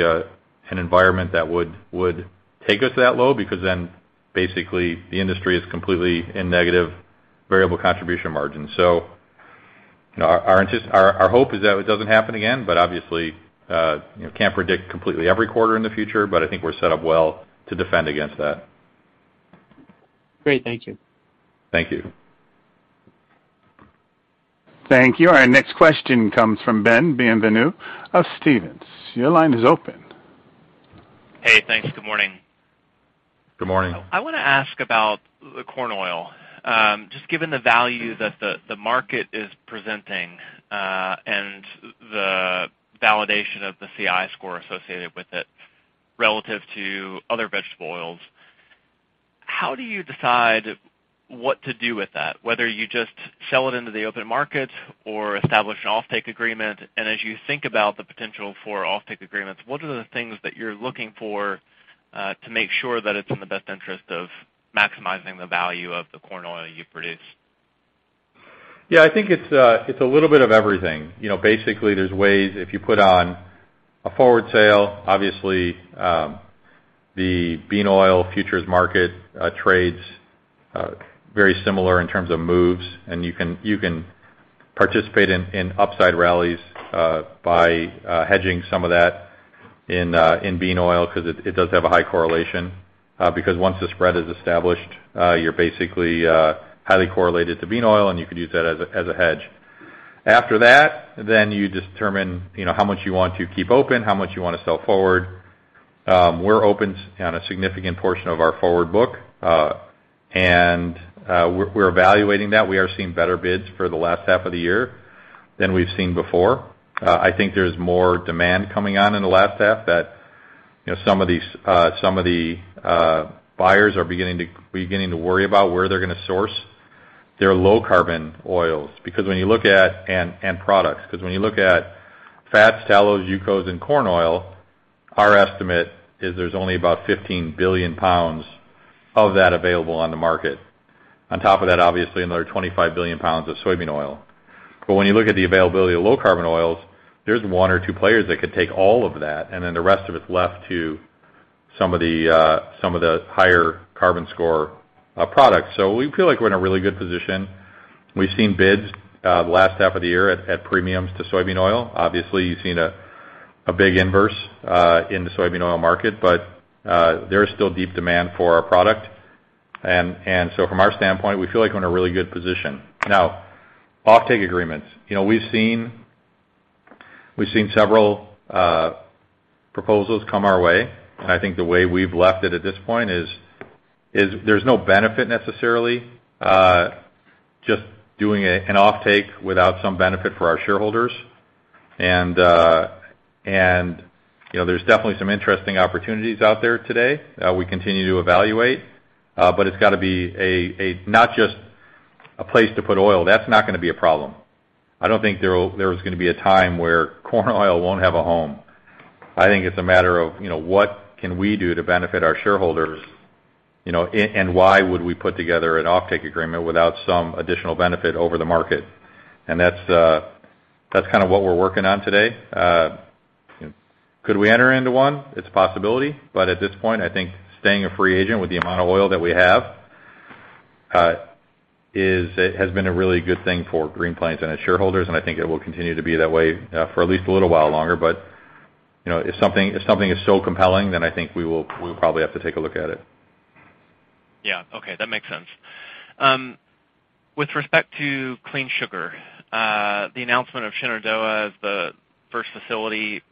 an environment that would take us that low, because then basically, the industry is completely in negative variable contribution margin. You know, our interest, our hope is that it doesn't happen again, but obviously, you know, can't predict completely every quarter in the future, but I think we're set up well to defend against that. Great. Thank you. Thank you. Thank you. Our next question comes from Ben Bienvenu of Stephens. Your line is open. Hey, thanks. Good morning. Good morning. I wanna ask about the corn oil. Just given the value that the market is presenting, and the validation of the CI score associated with it relative to other vegetable oils, how do you decide what to do with that, whether you just sell it into the open market or establish an offtake agreement? As you think about the potential for offtake agreements, what are the things that you're looking for, to make sure that it's in the best interest of maximizing the value of the corn oil you produce? Yeah, I think it's a little bit of everything. You know, basically, there's ways, if you put on a forward sale, obviously, the bean oil futures market trades very similar in terms of moves, and you can participate in upside rallies by hedging some of that in bean oil because it does have a high correlation, because once the spread is established, you're basically highly correlated to bean oil, and you could use that as a hedge. After that, you determine, you know, how much you want to keep open, how much you wanna sell forward. We're open on a significant portion of our forward book, and we're evaluating that. We are seeing better bids for the last half of the year than we've seen before. I think there's more demand coming on in the last half that, you know, some of the buyers are beginning to worry about where they're gonna source their low carbon oils and products. Because when you look at fats, tallows, UCOs, and corn oil, our estimate is there's only about 15 billion pounds of that available on the market. On top of that, obviously, another 25 billion pounds of soybean oil. But when you look at the availability of low carbon oils, there's one or two players that could take all of that, and then the rest of it's left to some of the higher carbon score products. We feel like we're in a really good position. We've seen bids the last half of the year at premiums to soybean oil. Obviously, you've seen a big inverse in the soybean oil market, but there's still deep demand for our product. From our standpoint, we feel like we're in a really good position. Now, offtake agreements. You know, we've seen several proposals come our way. I think the way we've left it at this point is there's no benefit necessarily just doing an offtake without some benefit for our shareholders. You know, there's definitely some interesting opportunities out there today, we continue to evaluate, but it's gotta be a not just a place to put oil. That's not gonna be a problem. I don't think there is gonna be a time where corn oil won't have a home. I think it's a matter of, you know, what can we do to benefit our shareholders, you know, and why would we put together an offtake agreement without some additional benefit over the market? That's kinda what we're working on today. Could we enter into one? It's a possibility, but at this point, I think staying a free agent with the amount of oil that we have has been a really good thing for Green Plains and its shareholders, and I think it will continue to be that way for at least a little while longer. You know, if something is so compelling, then I think we'll probably have to take a look at it. Yeah. Okay. That makes sense. With respect to Clean Sugar, the announcement of Shenandoah as the first facility,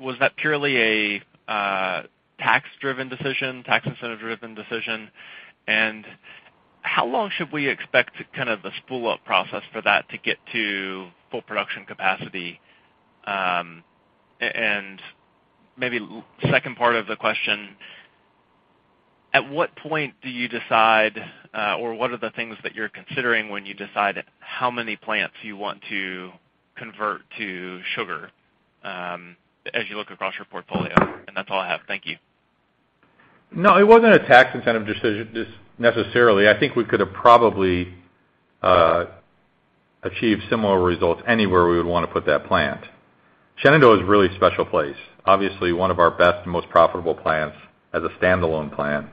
was that purely a tax-driven decision, tax incentive-driven decision? How long should we expect kind of the scale up process for that to get to full production capacity? Second part of the question. At what point do you decide, or what are the things that you're considering when you decide how many plants you want to convert to sugar, as you look across your portfolio? That's all I have. Thank you. No, it wasn't a tax incentive decision necessarily. I think we could have probably achieved similar results anywhere we would wanna put that plant. Shenandoah is a really special place, obviously one of our best and most profitable plants as a standalone plant.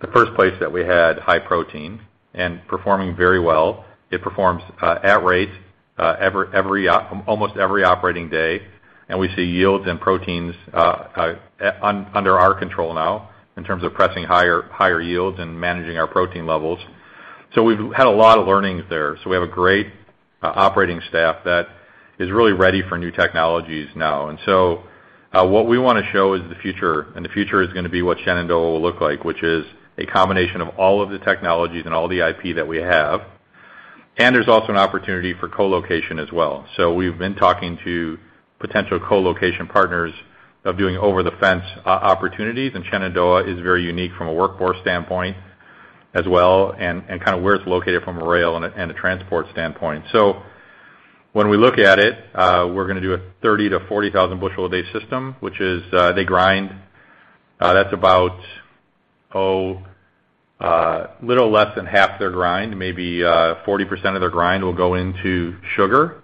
The first place that we had high protein and performing very well. It performs at rate almost every operating day, and we see yields in proteins under our control now in terms of pressing higher yields and managing our protein levels. We've had a lot of learnings there. We have a great operating staff that is really ready for new technologies now. What we wanna show is the future, and the future is gonna be what Shenandoah will look like, which is a combination of all of the technologies and all the IP that we have. There's also an opportunity for co-location as well. We've been talking to potential co-location partners of doing over-the-fence opportunities, and Shenandoah is very unique from a workforce standpoint as well, and kind of where it's located from a rail and a transport standpoint. When we look at it, we're gonna do a 30-40,000 bushel a day system, which is they grind. That's about a little less than half their grind, maybe 40% of their grind will go into sugar,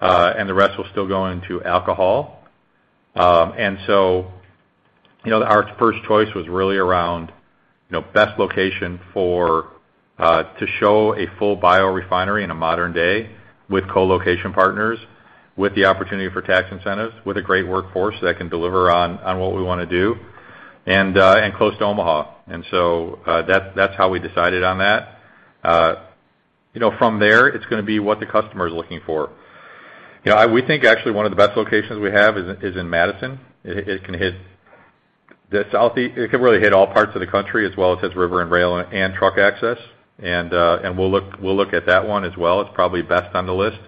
and the rest will still go into alcohol. You know, our first choice was really around, you know, best location for to show a full biorefinery in a modern day with co-location partners, with the opportunity for tax incentives, with a great workforce that can deliver on what we wanna do and close to Omaha. That's how we decided on that. You know, from there, it's gonna be what the customer is looking for. You know, we think actually one of the best locations we have is in Madison. It can hit the Southeast. It can really hit all parts of the country, as well as has river and rail and truck access. We'll look at that one as well. It's probably best on the list.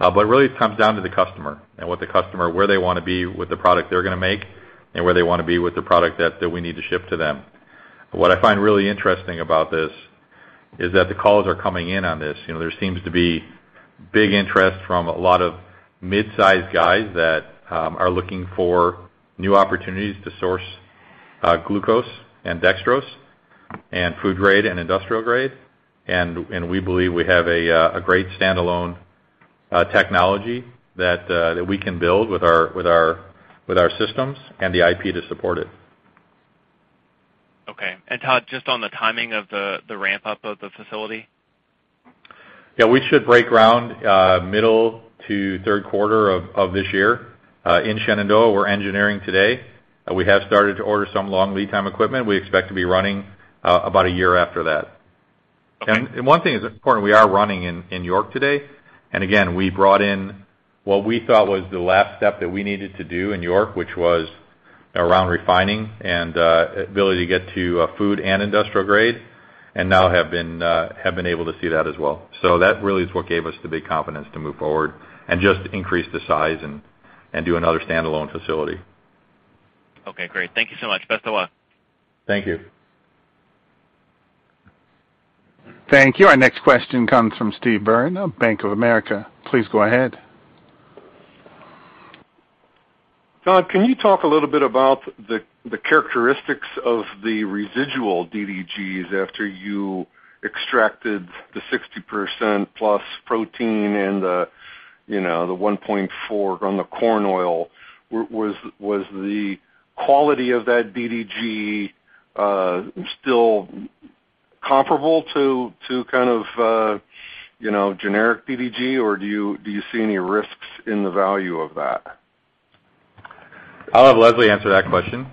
Really it comes down to the customer and what the customer, where they wanna be with the product they're gonna make and where they wanna be with the product that we need to ship to them. What I find really interesting about this is that the calls are coming in on this. You know, there seems to be big interest from a lot of mid-sized guys that are looking for new opportunities to source glucose and dextrose and food grade and industrial grade. We believe we have a great standalone technology that we can build with our systems and the IP to support it. Okay. Todd, just on the timing of the ramp-up of the facility. Yeah, we should break ground middle to third quarter of this year in Shenandoah. We're engineering today. We have started to order some long lead time equipment. We expect to be running about a year after that. Okay. One thing that's important, we are running in York today. Again, we brought in what we thought was the last step that we needed to do in York, which was around refining and ability to get to food and industrial grade, and now have been able to see that as well. That really is what gave us the big confidence to move forward and just increase the size and do another standalone facility. Okay, great. Thank you so much. Best of luck. Thank you. Thank you. Our next question comes from Steve Byrne of Bank of America. Please go ahead. Todd, can you talk a little bit about the characteristics of the residual DDGs after you extracted the 60%+ protein and the, you know, the 1.4 on the corn oil? Was the quality of that DDG still comparable to kind of you know generic DDG, or do you see any risks in the value of that? I'll have Leslie answer that question.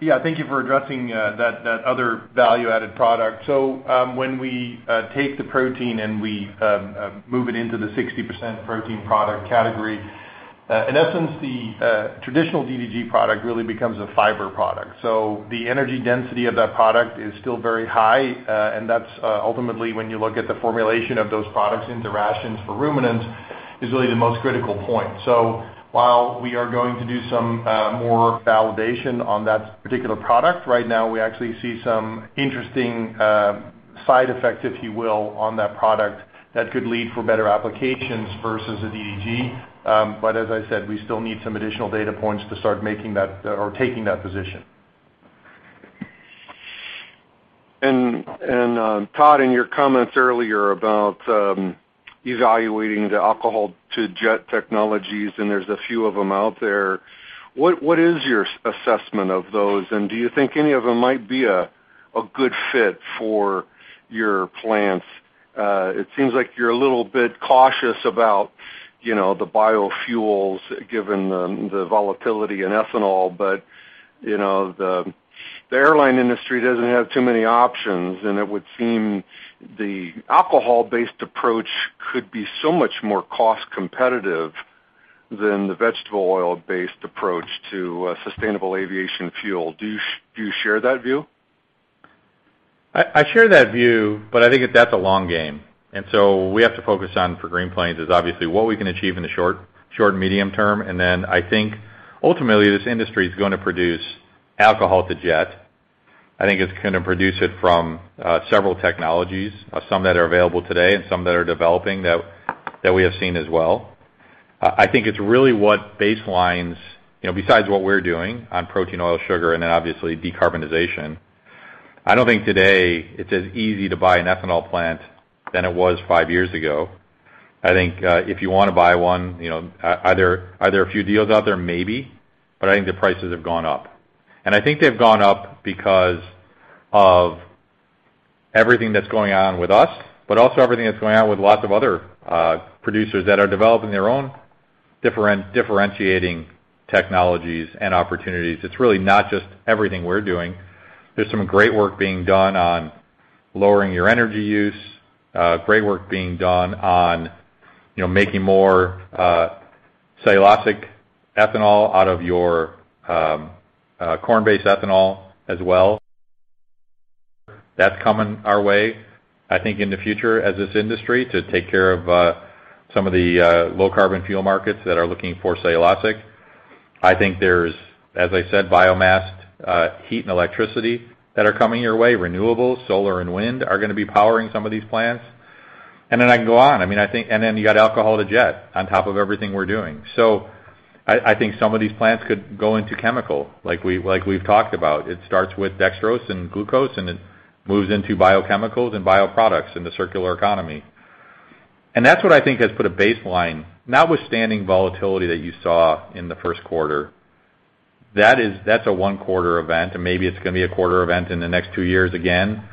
Yeah, thank you for addressing that other value-added product. When we take the protein and we move it into the 60% protein product category, in essence, the traditional DDG product really becomes a fiber product. The energy density of that product is still very high, and that's ultimately, when you look at the formulation of those products into rations for ruminants, really the most critical point. While we are going to do some more validation on that particular product, right now we actually see some interesting side effects, if you will, on that product that could lead to better applications versus a DDG. As I said, we still need some additional data points to start making that or taking that position. Todd, in your comments earlier about evaluating the alcohol-to-jet technologies, and there's a few of them out there, what is your assessment of those, and do you think any of them might be a good fit for your plants? It seems like you're a little bit cautious about, you know, the biofuels, given the volatility in ethanol, but, you know, the airline industry doesn't have too many options, and it would seem the alcohol-based approach could be so much more cost competitive than the vegetable oil-based approach to sustainable aviation fuel. Do you share that view? I share that view, but I think that that's a long game. We have to focus on, for Green Plains, is obviously what we can achieve in the short-medium term. I think ultimately, this industry is gonna produce alcohol-to-jet. I think it's gonna produce it from several technologies, some that are available today and some that are developing that we have seen as well. I think it's really what baselines, you know, besides what we're doing on protein, oil, sugar, and then obviously decarbonization. I don't think today it's as easy to buy an ethanol plant than it was five years ago. I think if you wanna buy one, you know, either, are there a few deals out there? Maybe. I think the prices have gone up. I think they've gone up because of everything that's going on with us, but also everything that's going on with lots of other producers that are developing their own differentiating technologies and opportunities. It's really not just everything we're doing. There's some great work being done on lowering your energy use, great work being done on, you know, making more cellulosic ethanol out of your corn-based ethanol as well. That's coming our way, I think, in the future as this industry to take care of some of the low carbon fuel markets that are looking for cellulosic. I think there's, as I said, biomass, heat and electricity that are coming your way. Renewable, solar and wind are gonna be powering some of these plants. Then I can go on. I mean, I think you got alcohol-to-jet on top of everything we're doing. I think some of these plants could go into chemical like we, like we've talked about. It starts with dextrose and glucose, and it moves into biochemicals and bioproducts in the circular economy. That's what I think has put a baseline, notwithstanding volatility that you saw in the first quarter. That's a one quarter event, and maybe it's gonna be a quarter event in the next two years again.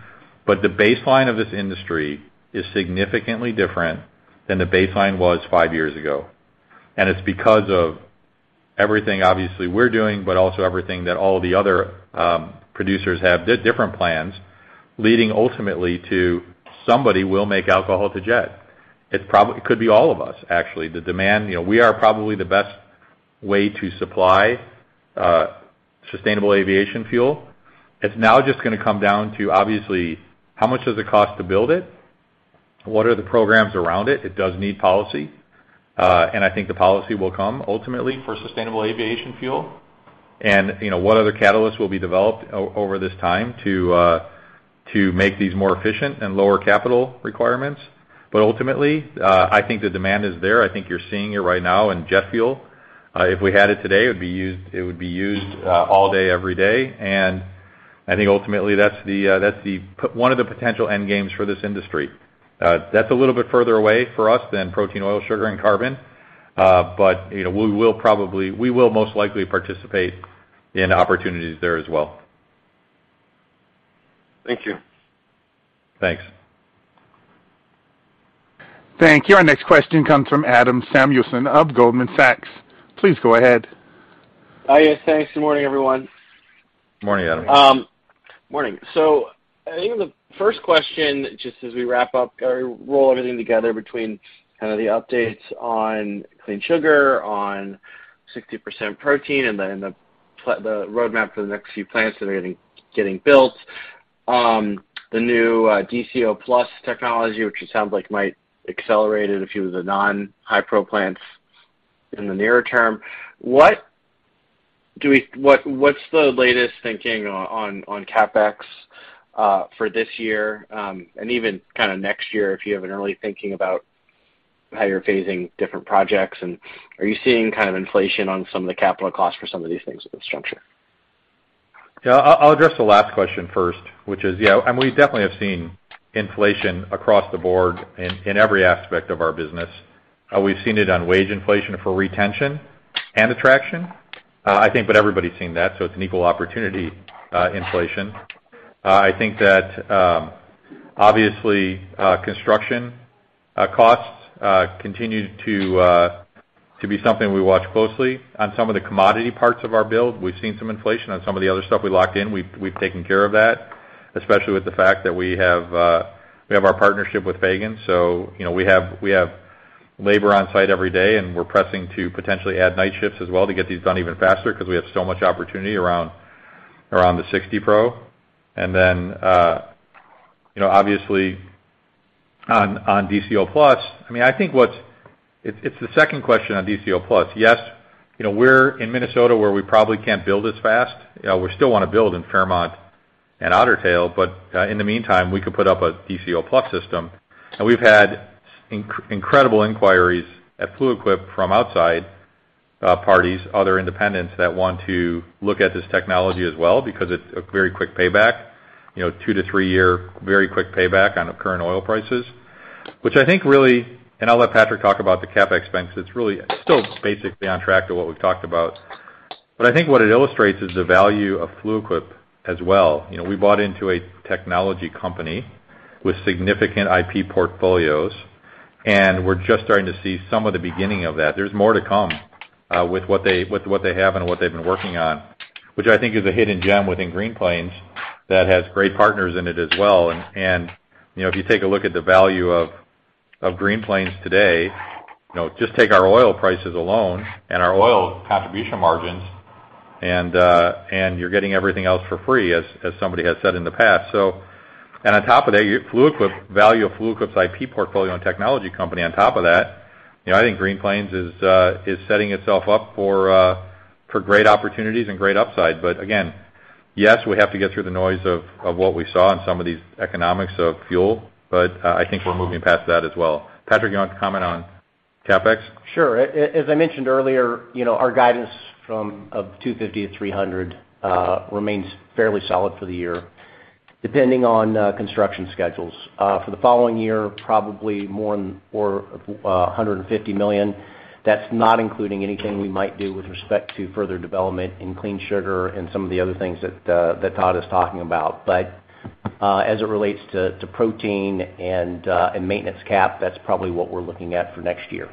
The baseline of this industry is significantly different than the baseline was five years ago. It's because of everything, obviously, we're doing, but also everything that all the other producers have did different plans, leading ultimately to somebody will make alcohol-to-jet. It could be all of us, actually. The demand, you know, we are probably the best way to supply sustainable aviation fuel. It's now just gonna come down to, obviously, how much does it cost to build it? What are the programs around it? It does need policy. I think the policy will come ultimately for sustainable aviation fuel. You know, what other catalysts will be developed over this time to make these more efficient and lower capital requirements. I think the demand is there. I think you're seeing it right now in jet fuel. If we had it today, it would be used all day, every day. I think ultimately, that's the one of the potential end games for this industry. That's a little bit further away for us than protein, oil, sugar, and carbon. You know, we will most likely participate in opportunities there as well. Thank you. Thanks. Thank you. Our next question comes from Adam Samuelson of Goldman Sachs. Please go ahead. Hi. Yes, thanks. Good morning, everyone. Morning, Adam. Morning. I think the first question, just as we wrap up or roll everything together between kinda the updates on Clean Sugar, on 60% protein and then the roadmap for the next few plants that are getting built, the new DCO+ technology, which it sounds like might accelerate a few of the non-Hi-Pro plants in the nearer term. What's the latest thinking on CapEx for this year, and even kinda next year, if you have an early thinking about how you're phasing different projects? Are you seeing kind of inflation on some of the capital costs for some of these things with the structure? Yeah. I'll address the last question first, which is, yeah, we definitely have seen inflation across the board in every aspect of our business. We've seen it on wage inflation for retention and attraction. I think but everybody's seen that, so it's an equal opportunity inflation. I think that obviously construction costs continue to be something we watch closely. On some of the commodity parts of our build, we've seen some inflation. On some of the other stuff we locked in, we've taken care of that, especially with the fact that we have our partnership with Fagen. You know, we have labor on site every day, and we're pressing to potentially add night shifts as well to get these done even faster 'cause we have so much opportunity around the 60 Pro. You know, obviously on DCO+, I mean, I think it's the second question on DCO+. Yes, you know, we're in Minnesota, where we probably can't build as fast. We still wanna build in Fairmont and Otter Tail, but in the meantime, we could put up a DCO+ system. We've had incredible inquiries at Fluid Quip from outside parties, other independents that want to look at this technology as well because it's a very quick payback. You know, 2- to 3-year very quick payback on the current oil prices, which I think really. I'll let Patrick talk about the CapEx spend, because it's really still basically on track to what we've talked about. I think what it illustrates is the value of Fluid Quip as well. You know, we bought into a technology company with significant IP portfolios, and we're just starting to see some of the beginning of that. There's more to come, with what they have and what they've been working on, which I think is a hidden gem within Green Plains that has great partners in it as well. You know, if you take a look at the value of Green Plains today, you know, just take our oil prices alone and our oil contribution margins. You're getting everything else for free, as somebody has said in the past. On top of that, your Fluid Quip value of Fluid Quip's IP portfolio and technology company on top of that, you know, I think Green Plains is setting itself up for great opportunities and great upside. But again, yes, we have to get through the noise of what we saw in some of these economics of fuel, but I think we're moving past that as well. Patrich, you want to comment on CapEx? Sure. As I mentioned earlier, you know, our guidance of $250-$300 million remains fairly solid for the year, depending on construction schedules. For the following year, probably more than $150 million. That's not including anything we might do with respect to further development in Clean Sugar and some of the other things that Todd is talking about. As it relates to protein and maintenance CapEx, that's probably what we're looking at for next year.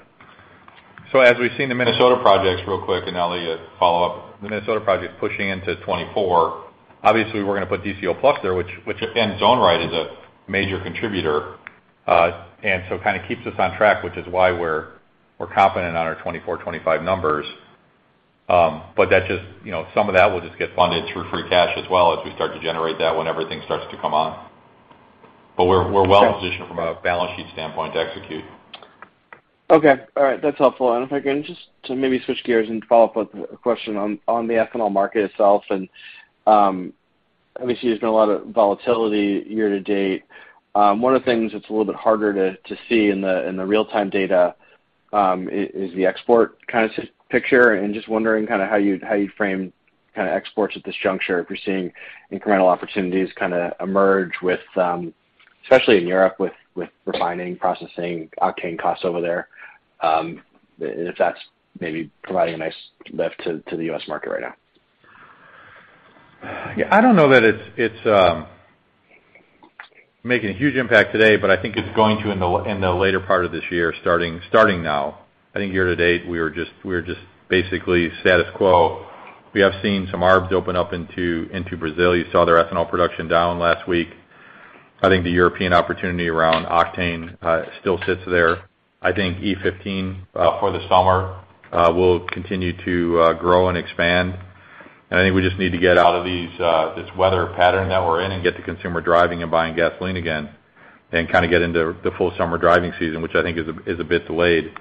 As we've seen the Minnesota projects, real quick, and I'll let you follow up. The Minnesota project's pushing into 2024. Obviously, we're gonna put DCO+ there, which again, ZoneRide is a major contributor. And so kind of keeps us on track, which is why we're confident on our 2024, 2025 numbers. That just, you know, some of that will just get funded through free cash as well as we start to generate that when everything starts to come on. We're well-positioned from a balance sheet standpoint to execute. Okay. All right. That's helpful. If I can just to maybe switch gears and follow up with a question on the ethanol market itself and obviously there's been a lot of volatility year to date. One of the things that's a little bit harder to see in the real-time data is the export kind of size picture. Just wondering kinda how you'd frame kinda exports at this juncture, if you're seeing incremental opportunities kinda emerge with especially in Europe with refining processing octane costs over there, if that's maybe providing a nice lift to the U.S. market right now. Yeah. I don't know that it's making a huge impact today, but I think it's going to in the later part of this year, starting now. I think year to date, we are basically status quo. We have seen some arbs open up into Brazil. You saw their ethanol production down last week. I think the European opportunity around octane still sits there. I think E15 for the summer will continue to grow and expand. I think we just need to get out of this weather pattern that we're in and get the consumer driving and buying gasoline again and kinda get into the full summer driving season, which I think is a bit delayed.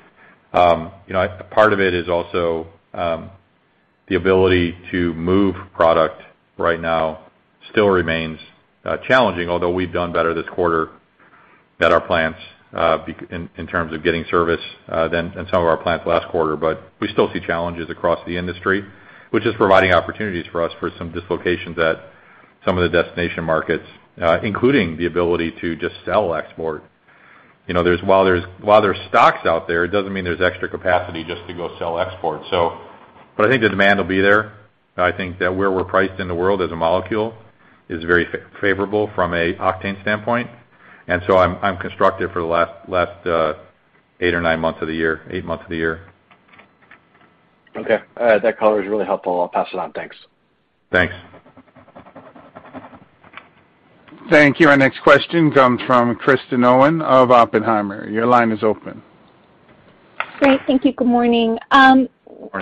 You know, part of it is also the ability to move product right now still remains challenging, although we've done better this quarter at our plants in terms of getting service than in some of our plants last quarter. We still see challenges across the industry, which is providing opportunities for us for some dislocations at some of the destination markets, including the ability to just sell export. You know, while there's stocks out there, it doesn't mean there's extra capacity just to go sell export. I think the demand will be there. I think that where we're priced in the world as a molecule is very favorable from an octane standpoint, and so I'm constructive for the last eight or nine months of the year. Eight months of the year. Okay. That color is really helpful. I'll pass it on. Thanks. Thanks. Thank you. Our next question comes from Kristen Owen of Oppenheimer. Your line is open. Great. Thank you. Good morning. Morning.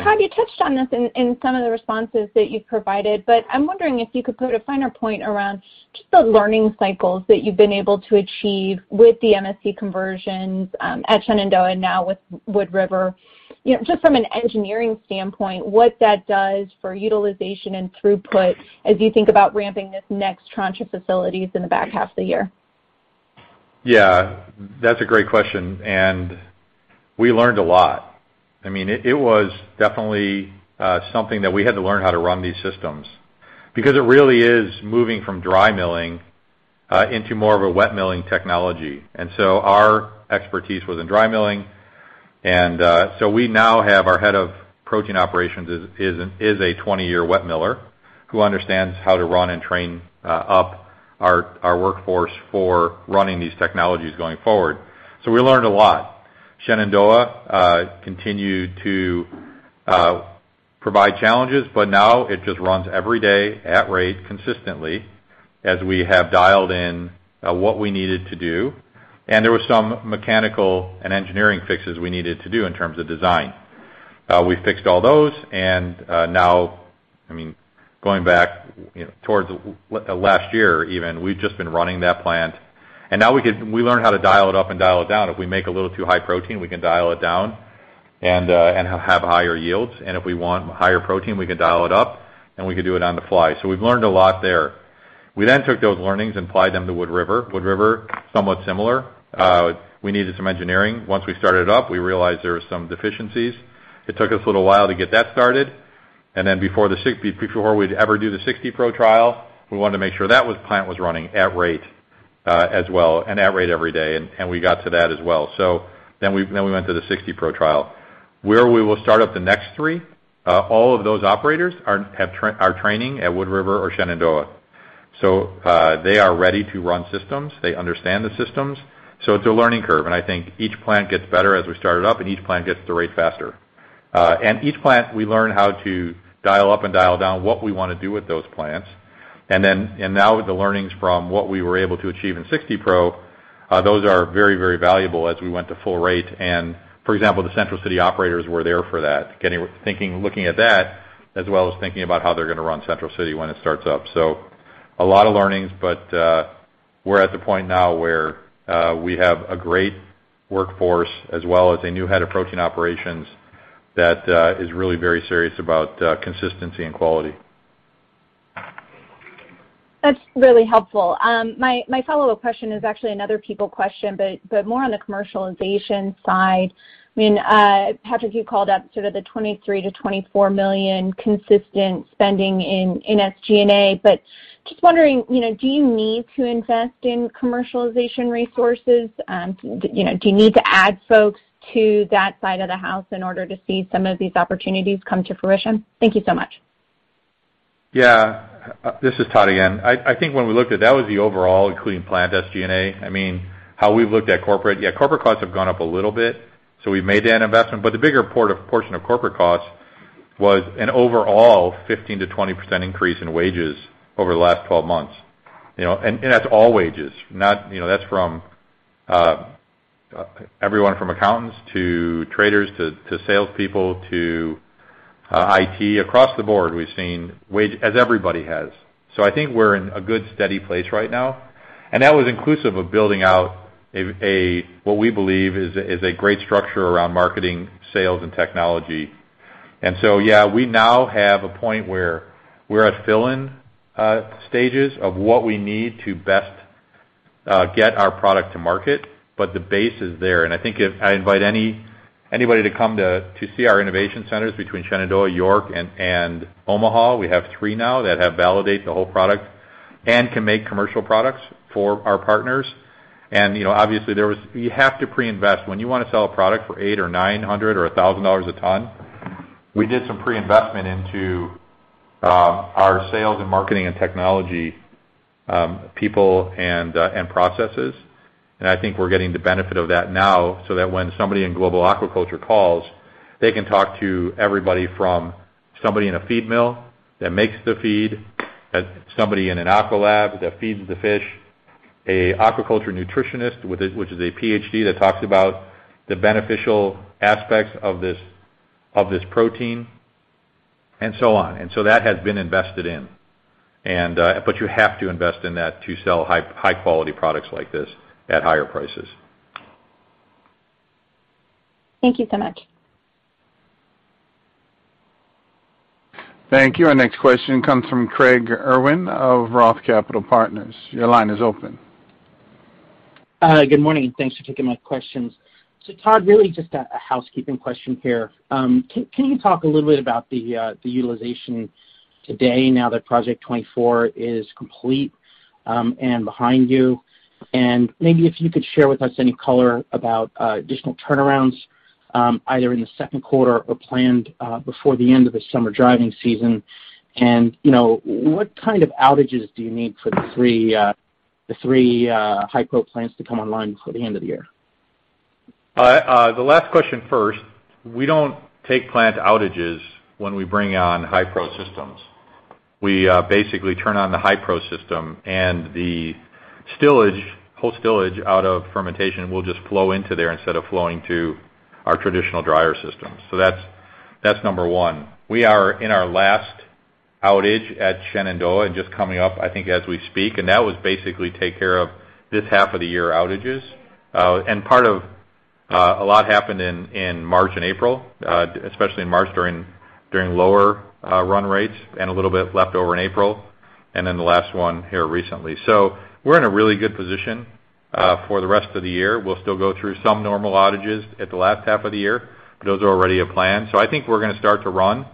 Todd, you touched on this in some of the responses that you've provided, but I'm wondering if you could put a finer point around just the learning cycles that you've been able to achieve with the MSC conversions at Shenandoah, now with Wood River. You know, just from an engineering standpoint, what that does for utilization and throughput as you think about ramping this next tranche of facilities in the back half of the year. Yeah. That's a great question, and we learned a lot. I mean, it was definitely something that we had to learn how to run these systems because it really is moving from dry milling into more of a wet milling technology. Our expertise was in dry milling, and so we now have our head of protein operations is a 20-year wet miller who understands how to run and train up our workforce for running these technologies going forward. We learned a lot. Shenandoah continued to provide challenges, but now it just runs every day at rate consistently as we have dialed in what we needed to do. There was some mechanical and engineering fixes we needed to do in terms of design. We fixed all those, and now, I mean, going back, you know, towards last year even, we've just been running that plant, and now we can learn how to dial it up and dial it down. If we make a little too high protein, we can dial it down and have higher yields. If we want higher protein, we can dial it up, and we can do it on the fly. We've learned a lot there. We then took those learnings and applied them to Wood River. Wood River, somewhat similar. We needed some engineering. Once we started up, we realized there were some deficiencies. It took us a little while to get that started. Before we'd ever do the 60 Pro trial, we wanted to make sure plant was running at rate as well, and at rate every day, and we got to that as well. We went to the 60 Pro trial. We will start up the next three. All of those operators are training at Wood River or Shenandoah. They are ready to run systems. They understand the systems. It's a learning curve, and I think each plant gets better as we start it up, and each plant gets to rate faster. Each plant, we learn how to dial up and dial down what we wanna do with those plants. Now with the learnings from what we were able to achieve in 60 Pro, those are very, very valuable as we went to full rate. For example, the Central City operators were there for that, getting thinking, looking at that, as well as thinking about how they're gonna run Central City when it starts up. A lot of learnings, but we're at the point now where we have a great workforce as well as a new head of protein operations that is really very serious about consistency and quality. That's really helpful. My follow-up question is actually another people question, but more on the commercialization side. I mean, Patrick, you called out sort of the $23 million-$24 million consistent spending in SG&A. Just wondering, you know, do you need to invest in commercialization resources? You know, do you need to add folks to that side of the house in order to see some of these opportunities come to fruition? Thank you so much. Yeah. This is Todd again. I think when we looked at that was the overall, including planned SG&A. I mean, how we've looked at corporate. Yeah, corporate costs have gone up a little bit, so we've made that investment. The bigger portion of corporate costs was an overall 15%-20% increase in wages over the last 12 months. You know, and that's all wages, not, you know, that's from everyone from accountants to traders to salespeople to IT. Across the board, we've seen wages as everybody has. I think we're in a good, steady place right now. That was inclusive of building out a what we believe is a great structure around marketing, sales, and technology. Yeah, we now have a point where we're at final stages of what we need to best get our product to market. The base is there, and I think if I invite anybody to come to see our innovation centers between Shenandoah, York, and Omaha. We have three now that have validated the whole product and can make commercial products for our partners. You know, obviously, you have to pre-invest. When you wanna sell a product for $800 or $900 or $1,000 a ton, we did some pre-investment into our sales and marketing and technology people and processes. I think we're getting the benefit of that now, so that when somebody in global aquaculture calls, they can talk to everybody from somebody in a feed mill that makes the feed, somebody in an aqua lab that feeds the fish, an aquaculture nutritionist, which is a PhD that talks about the beneficial aspects of this protein, and so on. That has been invested in. But you have to invest in that to sell high-quality products like this at higher prices. Thank you so much. Thank you. Our next question comes from Craig Irwin of Roth Capital Partners. Your line is open. Good morning, and thanks for taking my questions. Todd, really just a housekeeping question here. Can you talk a little bit about the utilization today now that Project 24 is complete, and behind you? Maybe if you could share with us any color about additional turnarounds, either in the second quarter or planned before the end of the summer driving season. You know, what kind of outages do you need for the three Hi-Pro plants to come online before the end of the year? The last question first. We don't take plant outages when we bring on Hi-Prosystems. We basically turn on the Hi-Pro system, and the stillage, whole stillage out of fermentation will just flow into there instead of flowing to our traditional dryer systems. That's number one. We are in our last outage at Shenandoah and just coming up, I think, as we speak, and that was basically take care of this half of the year outages. Part of a lot happened in March and April, especially in March during lower run rates and a little bit left over in April, and then the last one here recently. We're in a really good position for the rest of the year. We'll still go through some normal outages at the last half of the year. Those are already in plan. I think we're gonna start to run.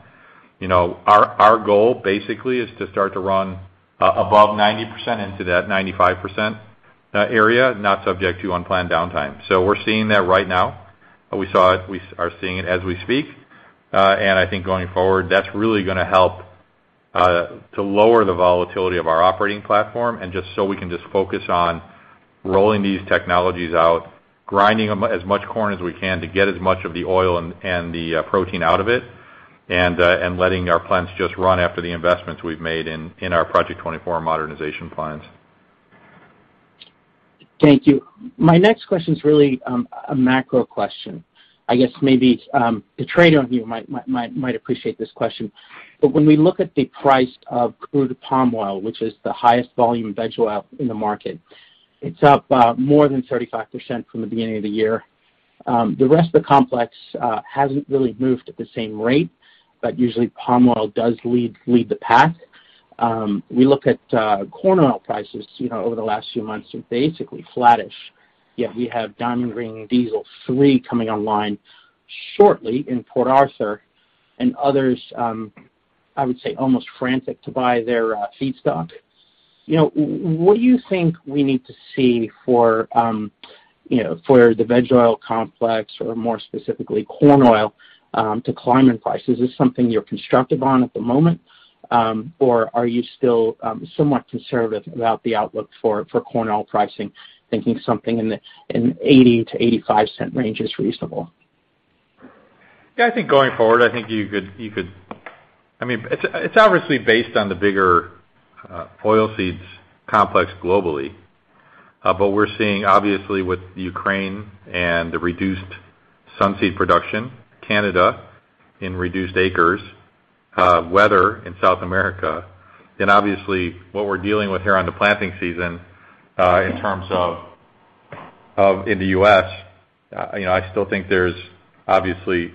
You know, our goal basically is to start to run above 90% into that 95% area, not subject to unplanned downtime. We're seeing that right now. We saw it. We are seeing it as we speak. I think going forward, that's really gonna help to lower the volatility of our operating platform and just so we can just focus on rolling these technologies out, grinding as much corn as we can to get as much of the oil and the protein out of it, and letting our plants just run after the investments we've made in our Project 24 modernization plans. Thank you. My next question's really a macro question. I guess maybe the trader in you might appreciate this question. When we look at the price of crude palm oil, which is the highest volume veg oil in the market, it's up more than 35% from the beginning of the year. The rest of the complex hasn't really moved at the same rate, but usually palm oil does lead the pack. We look at corn oil prices, you know, over the last few months are basically flattish, yet we have Diamond Green Diesel III coming online shortly in Port Arthur and others, I would say almost frantic to buy their feedstock. You know, what do you think we need to see for, you know, for the veg oil complex or more specifically corn oil, to climb in price? Is this something you're constructive on at the moment? Or are you still somewhat conservative about the outlook for corn oil pricing, thinking something in the $0.80-$0.85 range is reasonable? Yeah, I think going forward, I think you could—I mean, it's obviously based on the bigger oilseeds complex globally. But we're seeing obviously with Ukraine and the reduced sunflower seed production, Canada with reduced acres, weather in South America, then obviously what we're dealing with here on the planting season, in terms of in the US. You know, I still think there's obviously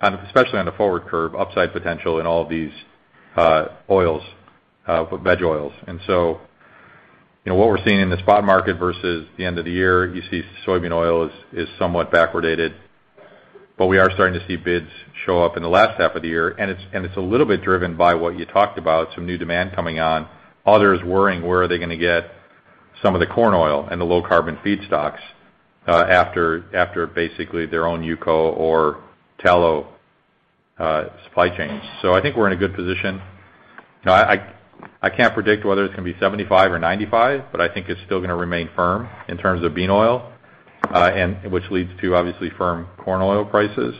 kind of, especially on the forward curve, upside potential in all of these oils, veg oils. You know, what we're seeing in the spot market versus the end of the year, you see soybean oil is somewhat backwardated. We are starting to see bids show up in the last half of the year, and it's a little bit driven by what you talked about, some new demand coming on. Others worrying where they are gonna get some of the corn oil and the low carbon feedstocks after basically their own UCO or tallow supply chains. I think we're in a good position. I can't predict whether it's gonna be 75 or 95, but I think it's still gonna remain firm in terms of bean oil, and which leads to obviously firm corn oil prices.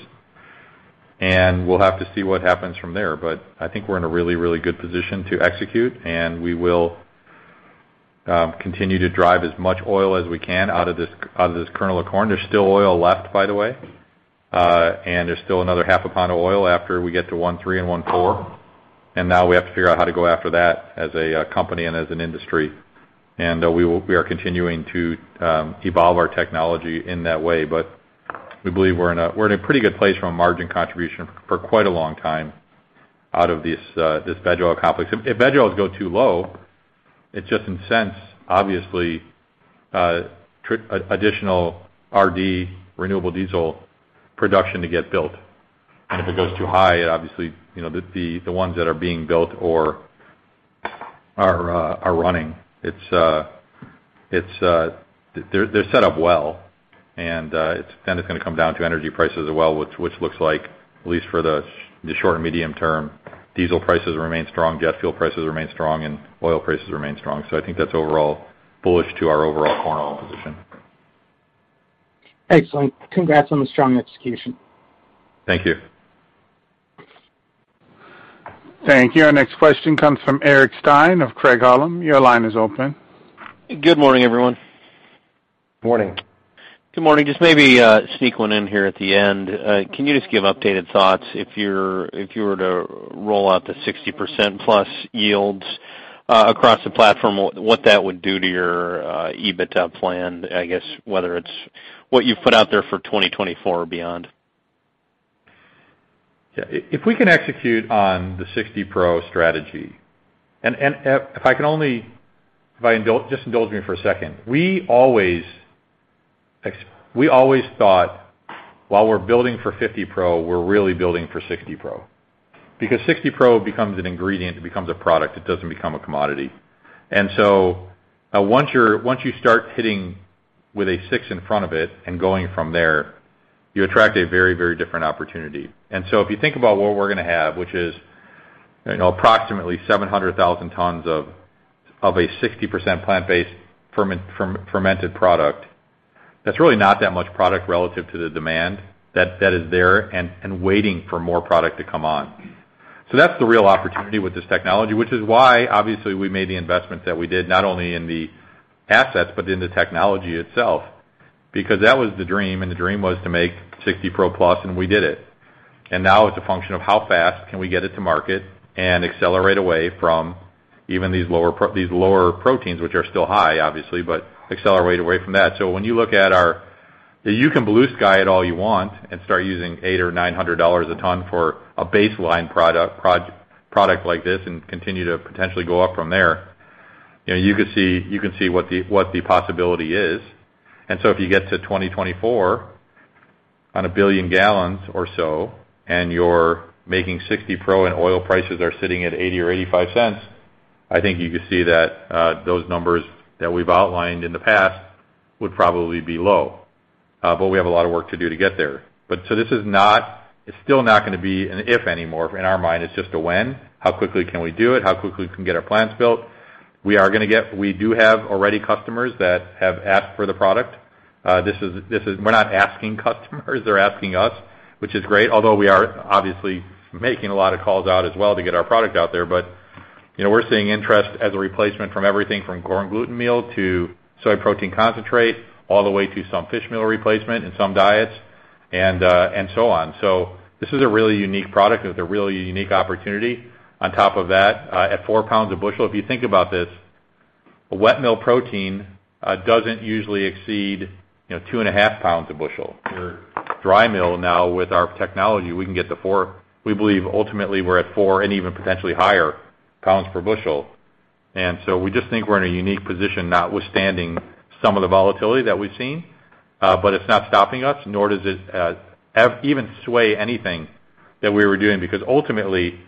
We'll have to see what happens from there. I think we're in a really, really good position to execute, and we will continue to drive as much oil as we can out of this kernel of corn. There's still oil left, by the way, and there's still another half a pound of oil after we get to 1.3 and 1.4, and now we have to figure out how to go after that as a company and as an industry. We are continuing to evolve our technology in that way. We believe we're in a pretty good place from a margin contribution for quite a long time out of this veg oil complex. If veg oils go too low, it just incentivizes additional RD, renewable diesel production to get built. If it goes too high, it obviously the ones that are being built or are running. They're set up well, and then it's gonna come down to energy prices as well, which looks like at least for the short and medium term, diesel prices remain strong, jet fuel prices remain strong, and oil prices remain strong. I think that's overall bullish to our overall corn oil position. Excellent. Congrats on the strong execution. Thank you. Thank you. Our next question comes from Eric Stine of Craig-Hallum. Your line is open. Good morning, everyone. Morning. Good morning. Just maybe sneak one in here at the end. Can you just give updated thoughts if you were to roll out the 60% plus yields across the platform, what that would do to your EBITDA plan? I guess whether it's what you've put out there for 2024 or beyond. If we can execute on the 60 Pro strategy. If I indulge, just indulge me for a second. We always thought while we're building for 50 Pro, we're really building for 60 Pro. Because 60 Pro becomes an ingredient, it becomes a product. It doesn't become a commodity. Once you start hitting with a six in front of it and going from there, you attract a very, very different opportunity. If you think about what we're gonna have, which is, you know, approximately 700,000 tons of a 60% plant-based fermented product, that's really not that much product relative to the demand that is there and waiting for more product to come on. That's the real opportunity with this technology, which is why obviously we made the investment that we did, not only in the assets but in the technology itself, because that was the dream, and the dream was to make 60 Pro plus, and we did it. Now it's a function of how fast can we get it to market and accelerate away from even these lower proteins, which are still high obviously, but accelerate away from that. When you look at our, you can blue sky it all you want and start using $800-$900 a ton for a baseline product like this and continue to potentially go up from there. You know, you can see what the possibility is. If you get to 2024 on a billion gallons or so, and you're making 60 Pro and oil prices are sitting at $0.80-$0.85, I think you can see that, those numbers that we've outlined in the past would probably be low. We have a lot of work to do to get there. This is not, it's still not gonna be an if anymore. In our mind, it's just a when, how quickly can we do it, how quickly we can get our plants built. We do have already customers that have asked for the product. This is. We're not asking customers, they're asking us, which is great, although we are obviously making a lot of calls out as well to get our product out there. You know, we're seeing interest as a replacement from everything from corn gluten meal to soy protein concentrate, all the way to some fish meal replacement in some diets and so on. This is a really unique product with a really unique opportunity. On top of that, at 4 pounds a bushel, if you think about this, a wet mill protein doesn't usually exceed, you know, 2.5 pounds a bushel. Your dry mill now with our technology, we can get to 4. We believe ultimately we're at 4 and even potentially higher pounds per bushel. We just think we're in a unique position, notwithstanding some of the volatility that we've seen, but it's not stopping us, nor does it even sway anything that we were doing. Because ultimately,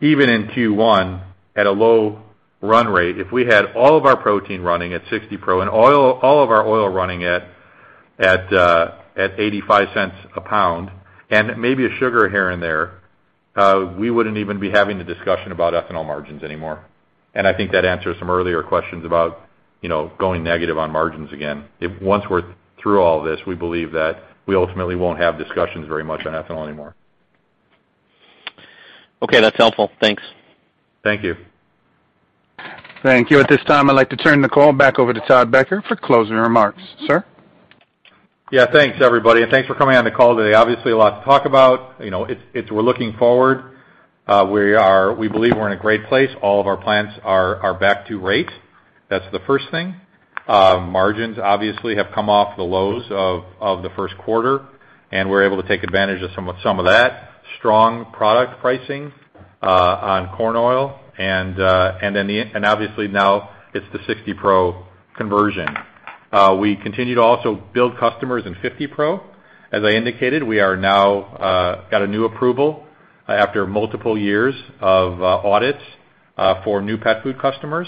even in Q1, at a low run rate, if we had all of our protein running at 60 Pro and oil, all of our oil running at $0.85 a pound and maybe a sugar here and there, we wouldn't even be having the discussion about ethanol margins anymore. I think that answers some earlier questions about, you know, going negative on margins again. If once we're through all this, we believe that we ultimately won't have discussions very much on ethanol anymore. Okay, that's helpful. Thanks. Thank you. Thank you. At this time, I'd like to turn the call back over to Todd Becker for closing remarks. Sir? Yeah. Thanks, everybody, and thanks for coming on the call today. Obviously, a lot to talk about. You know, we're looking forward. We believe we're in a great place. All of our plants are back to rate. That's the first thing. Margins obviously have come off the lows of the first quarter, and we're able to take advantage of some of that strong product pricing on corn oil and then the 60 Pro conversion. We continue to also build customers in 50 Pro. As I indicated, we are now got a new approval after multiple years of audits for new pet food customers,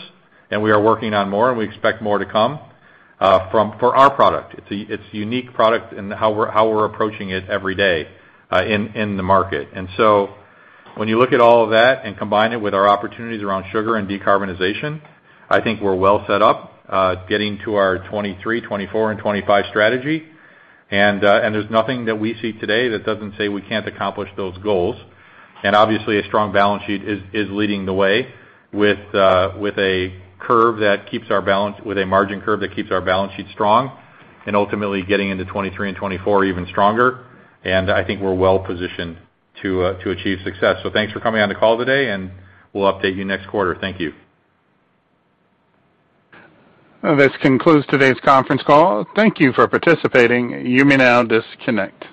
and we are working on more, and we expect more to come for our product. It's a unique product in how we're approaching it every day in the market. When you look at all of that and combine it with our opportunities around sugar and decarbonization, I think we're well set up getting to our 2023, 2024 and 2025 strategy. There's nothing that we see today that doesn't say we can't accomplish those goals. Obviously, a strong balance sheet is leading the way with a margin curve that keeps our balance sheet strong and ultimately getting into 2023 and 2024 even stronger. I think we're well positioned to achieve success. Thanks for coming on the call today, and we'll update you next quarter. Thank you. This concludes today's conference call. Thank you for participating. You may now disconnect.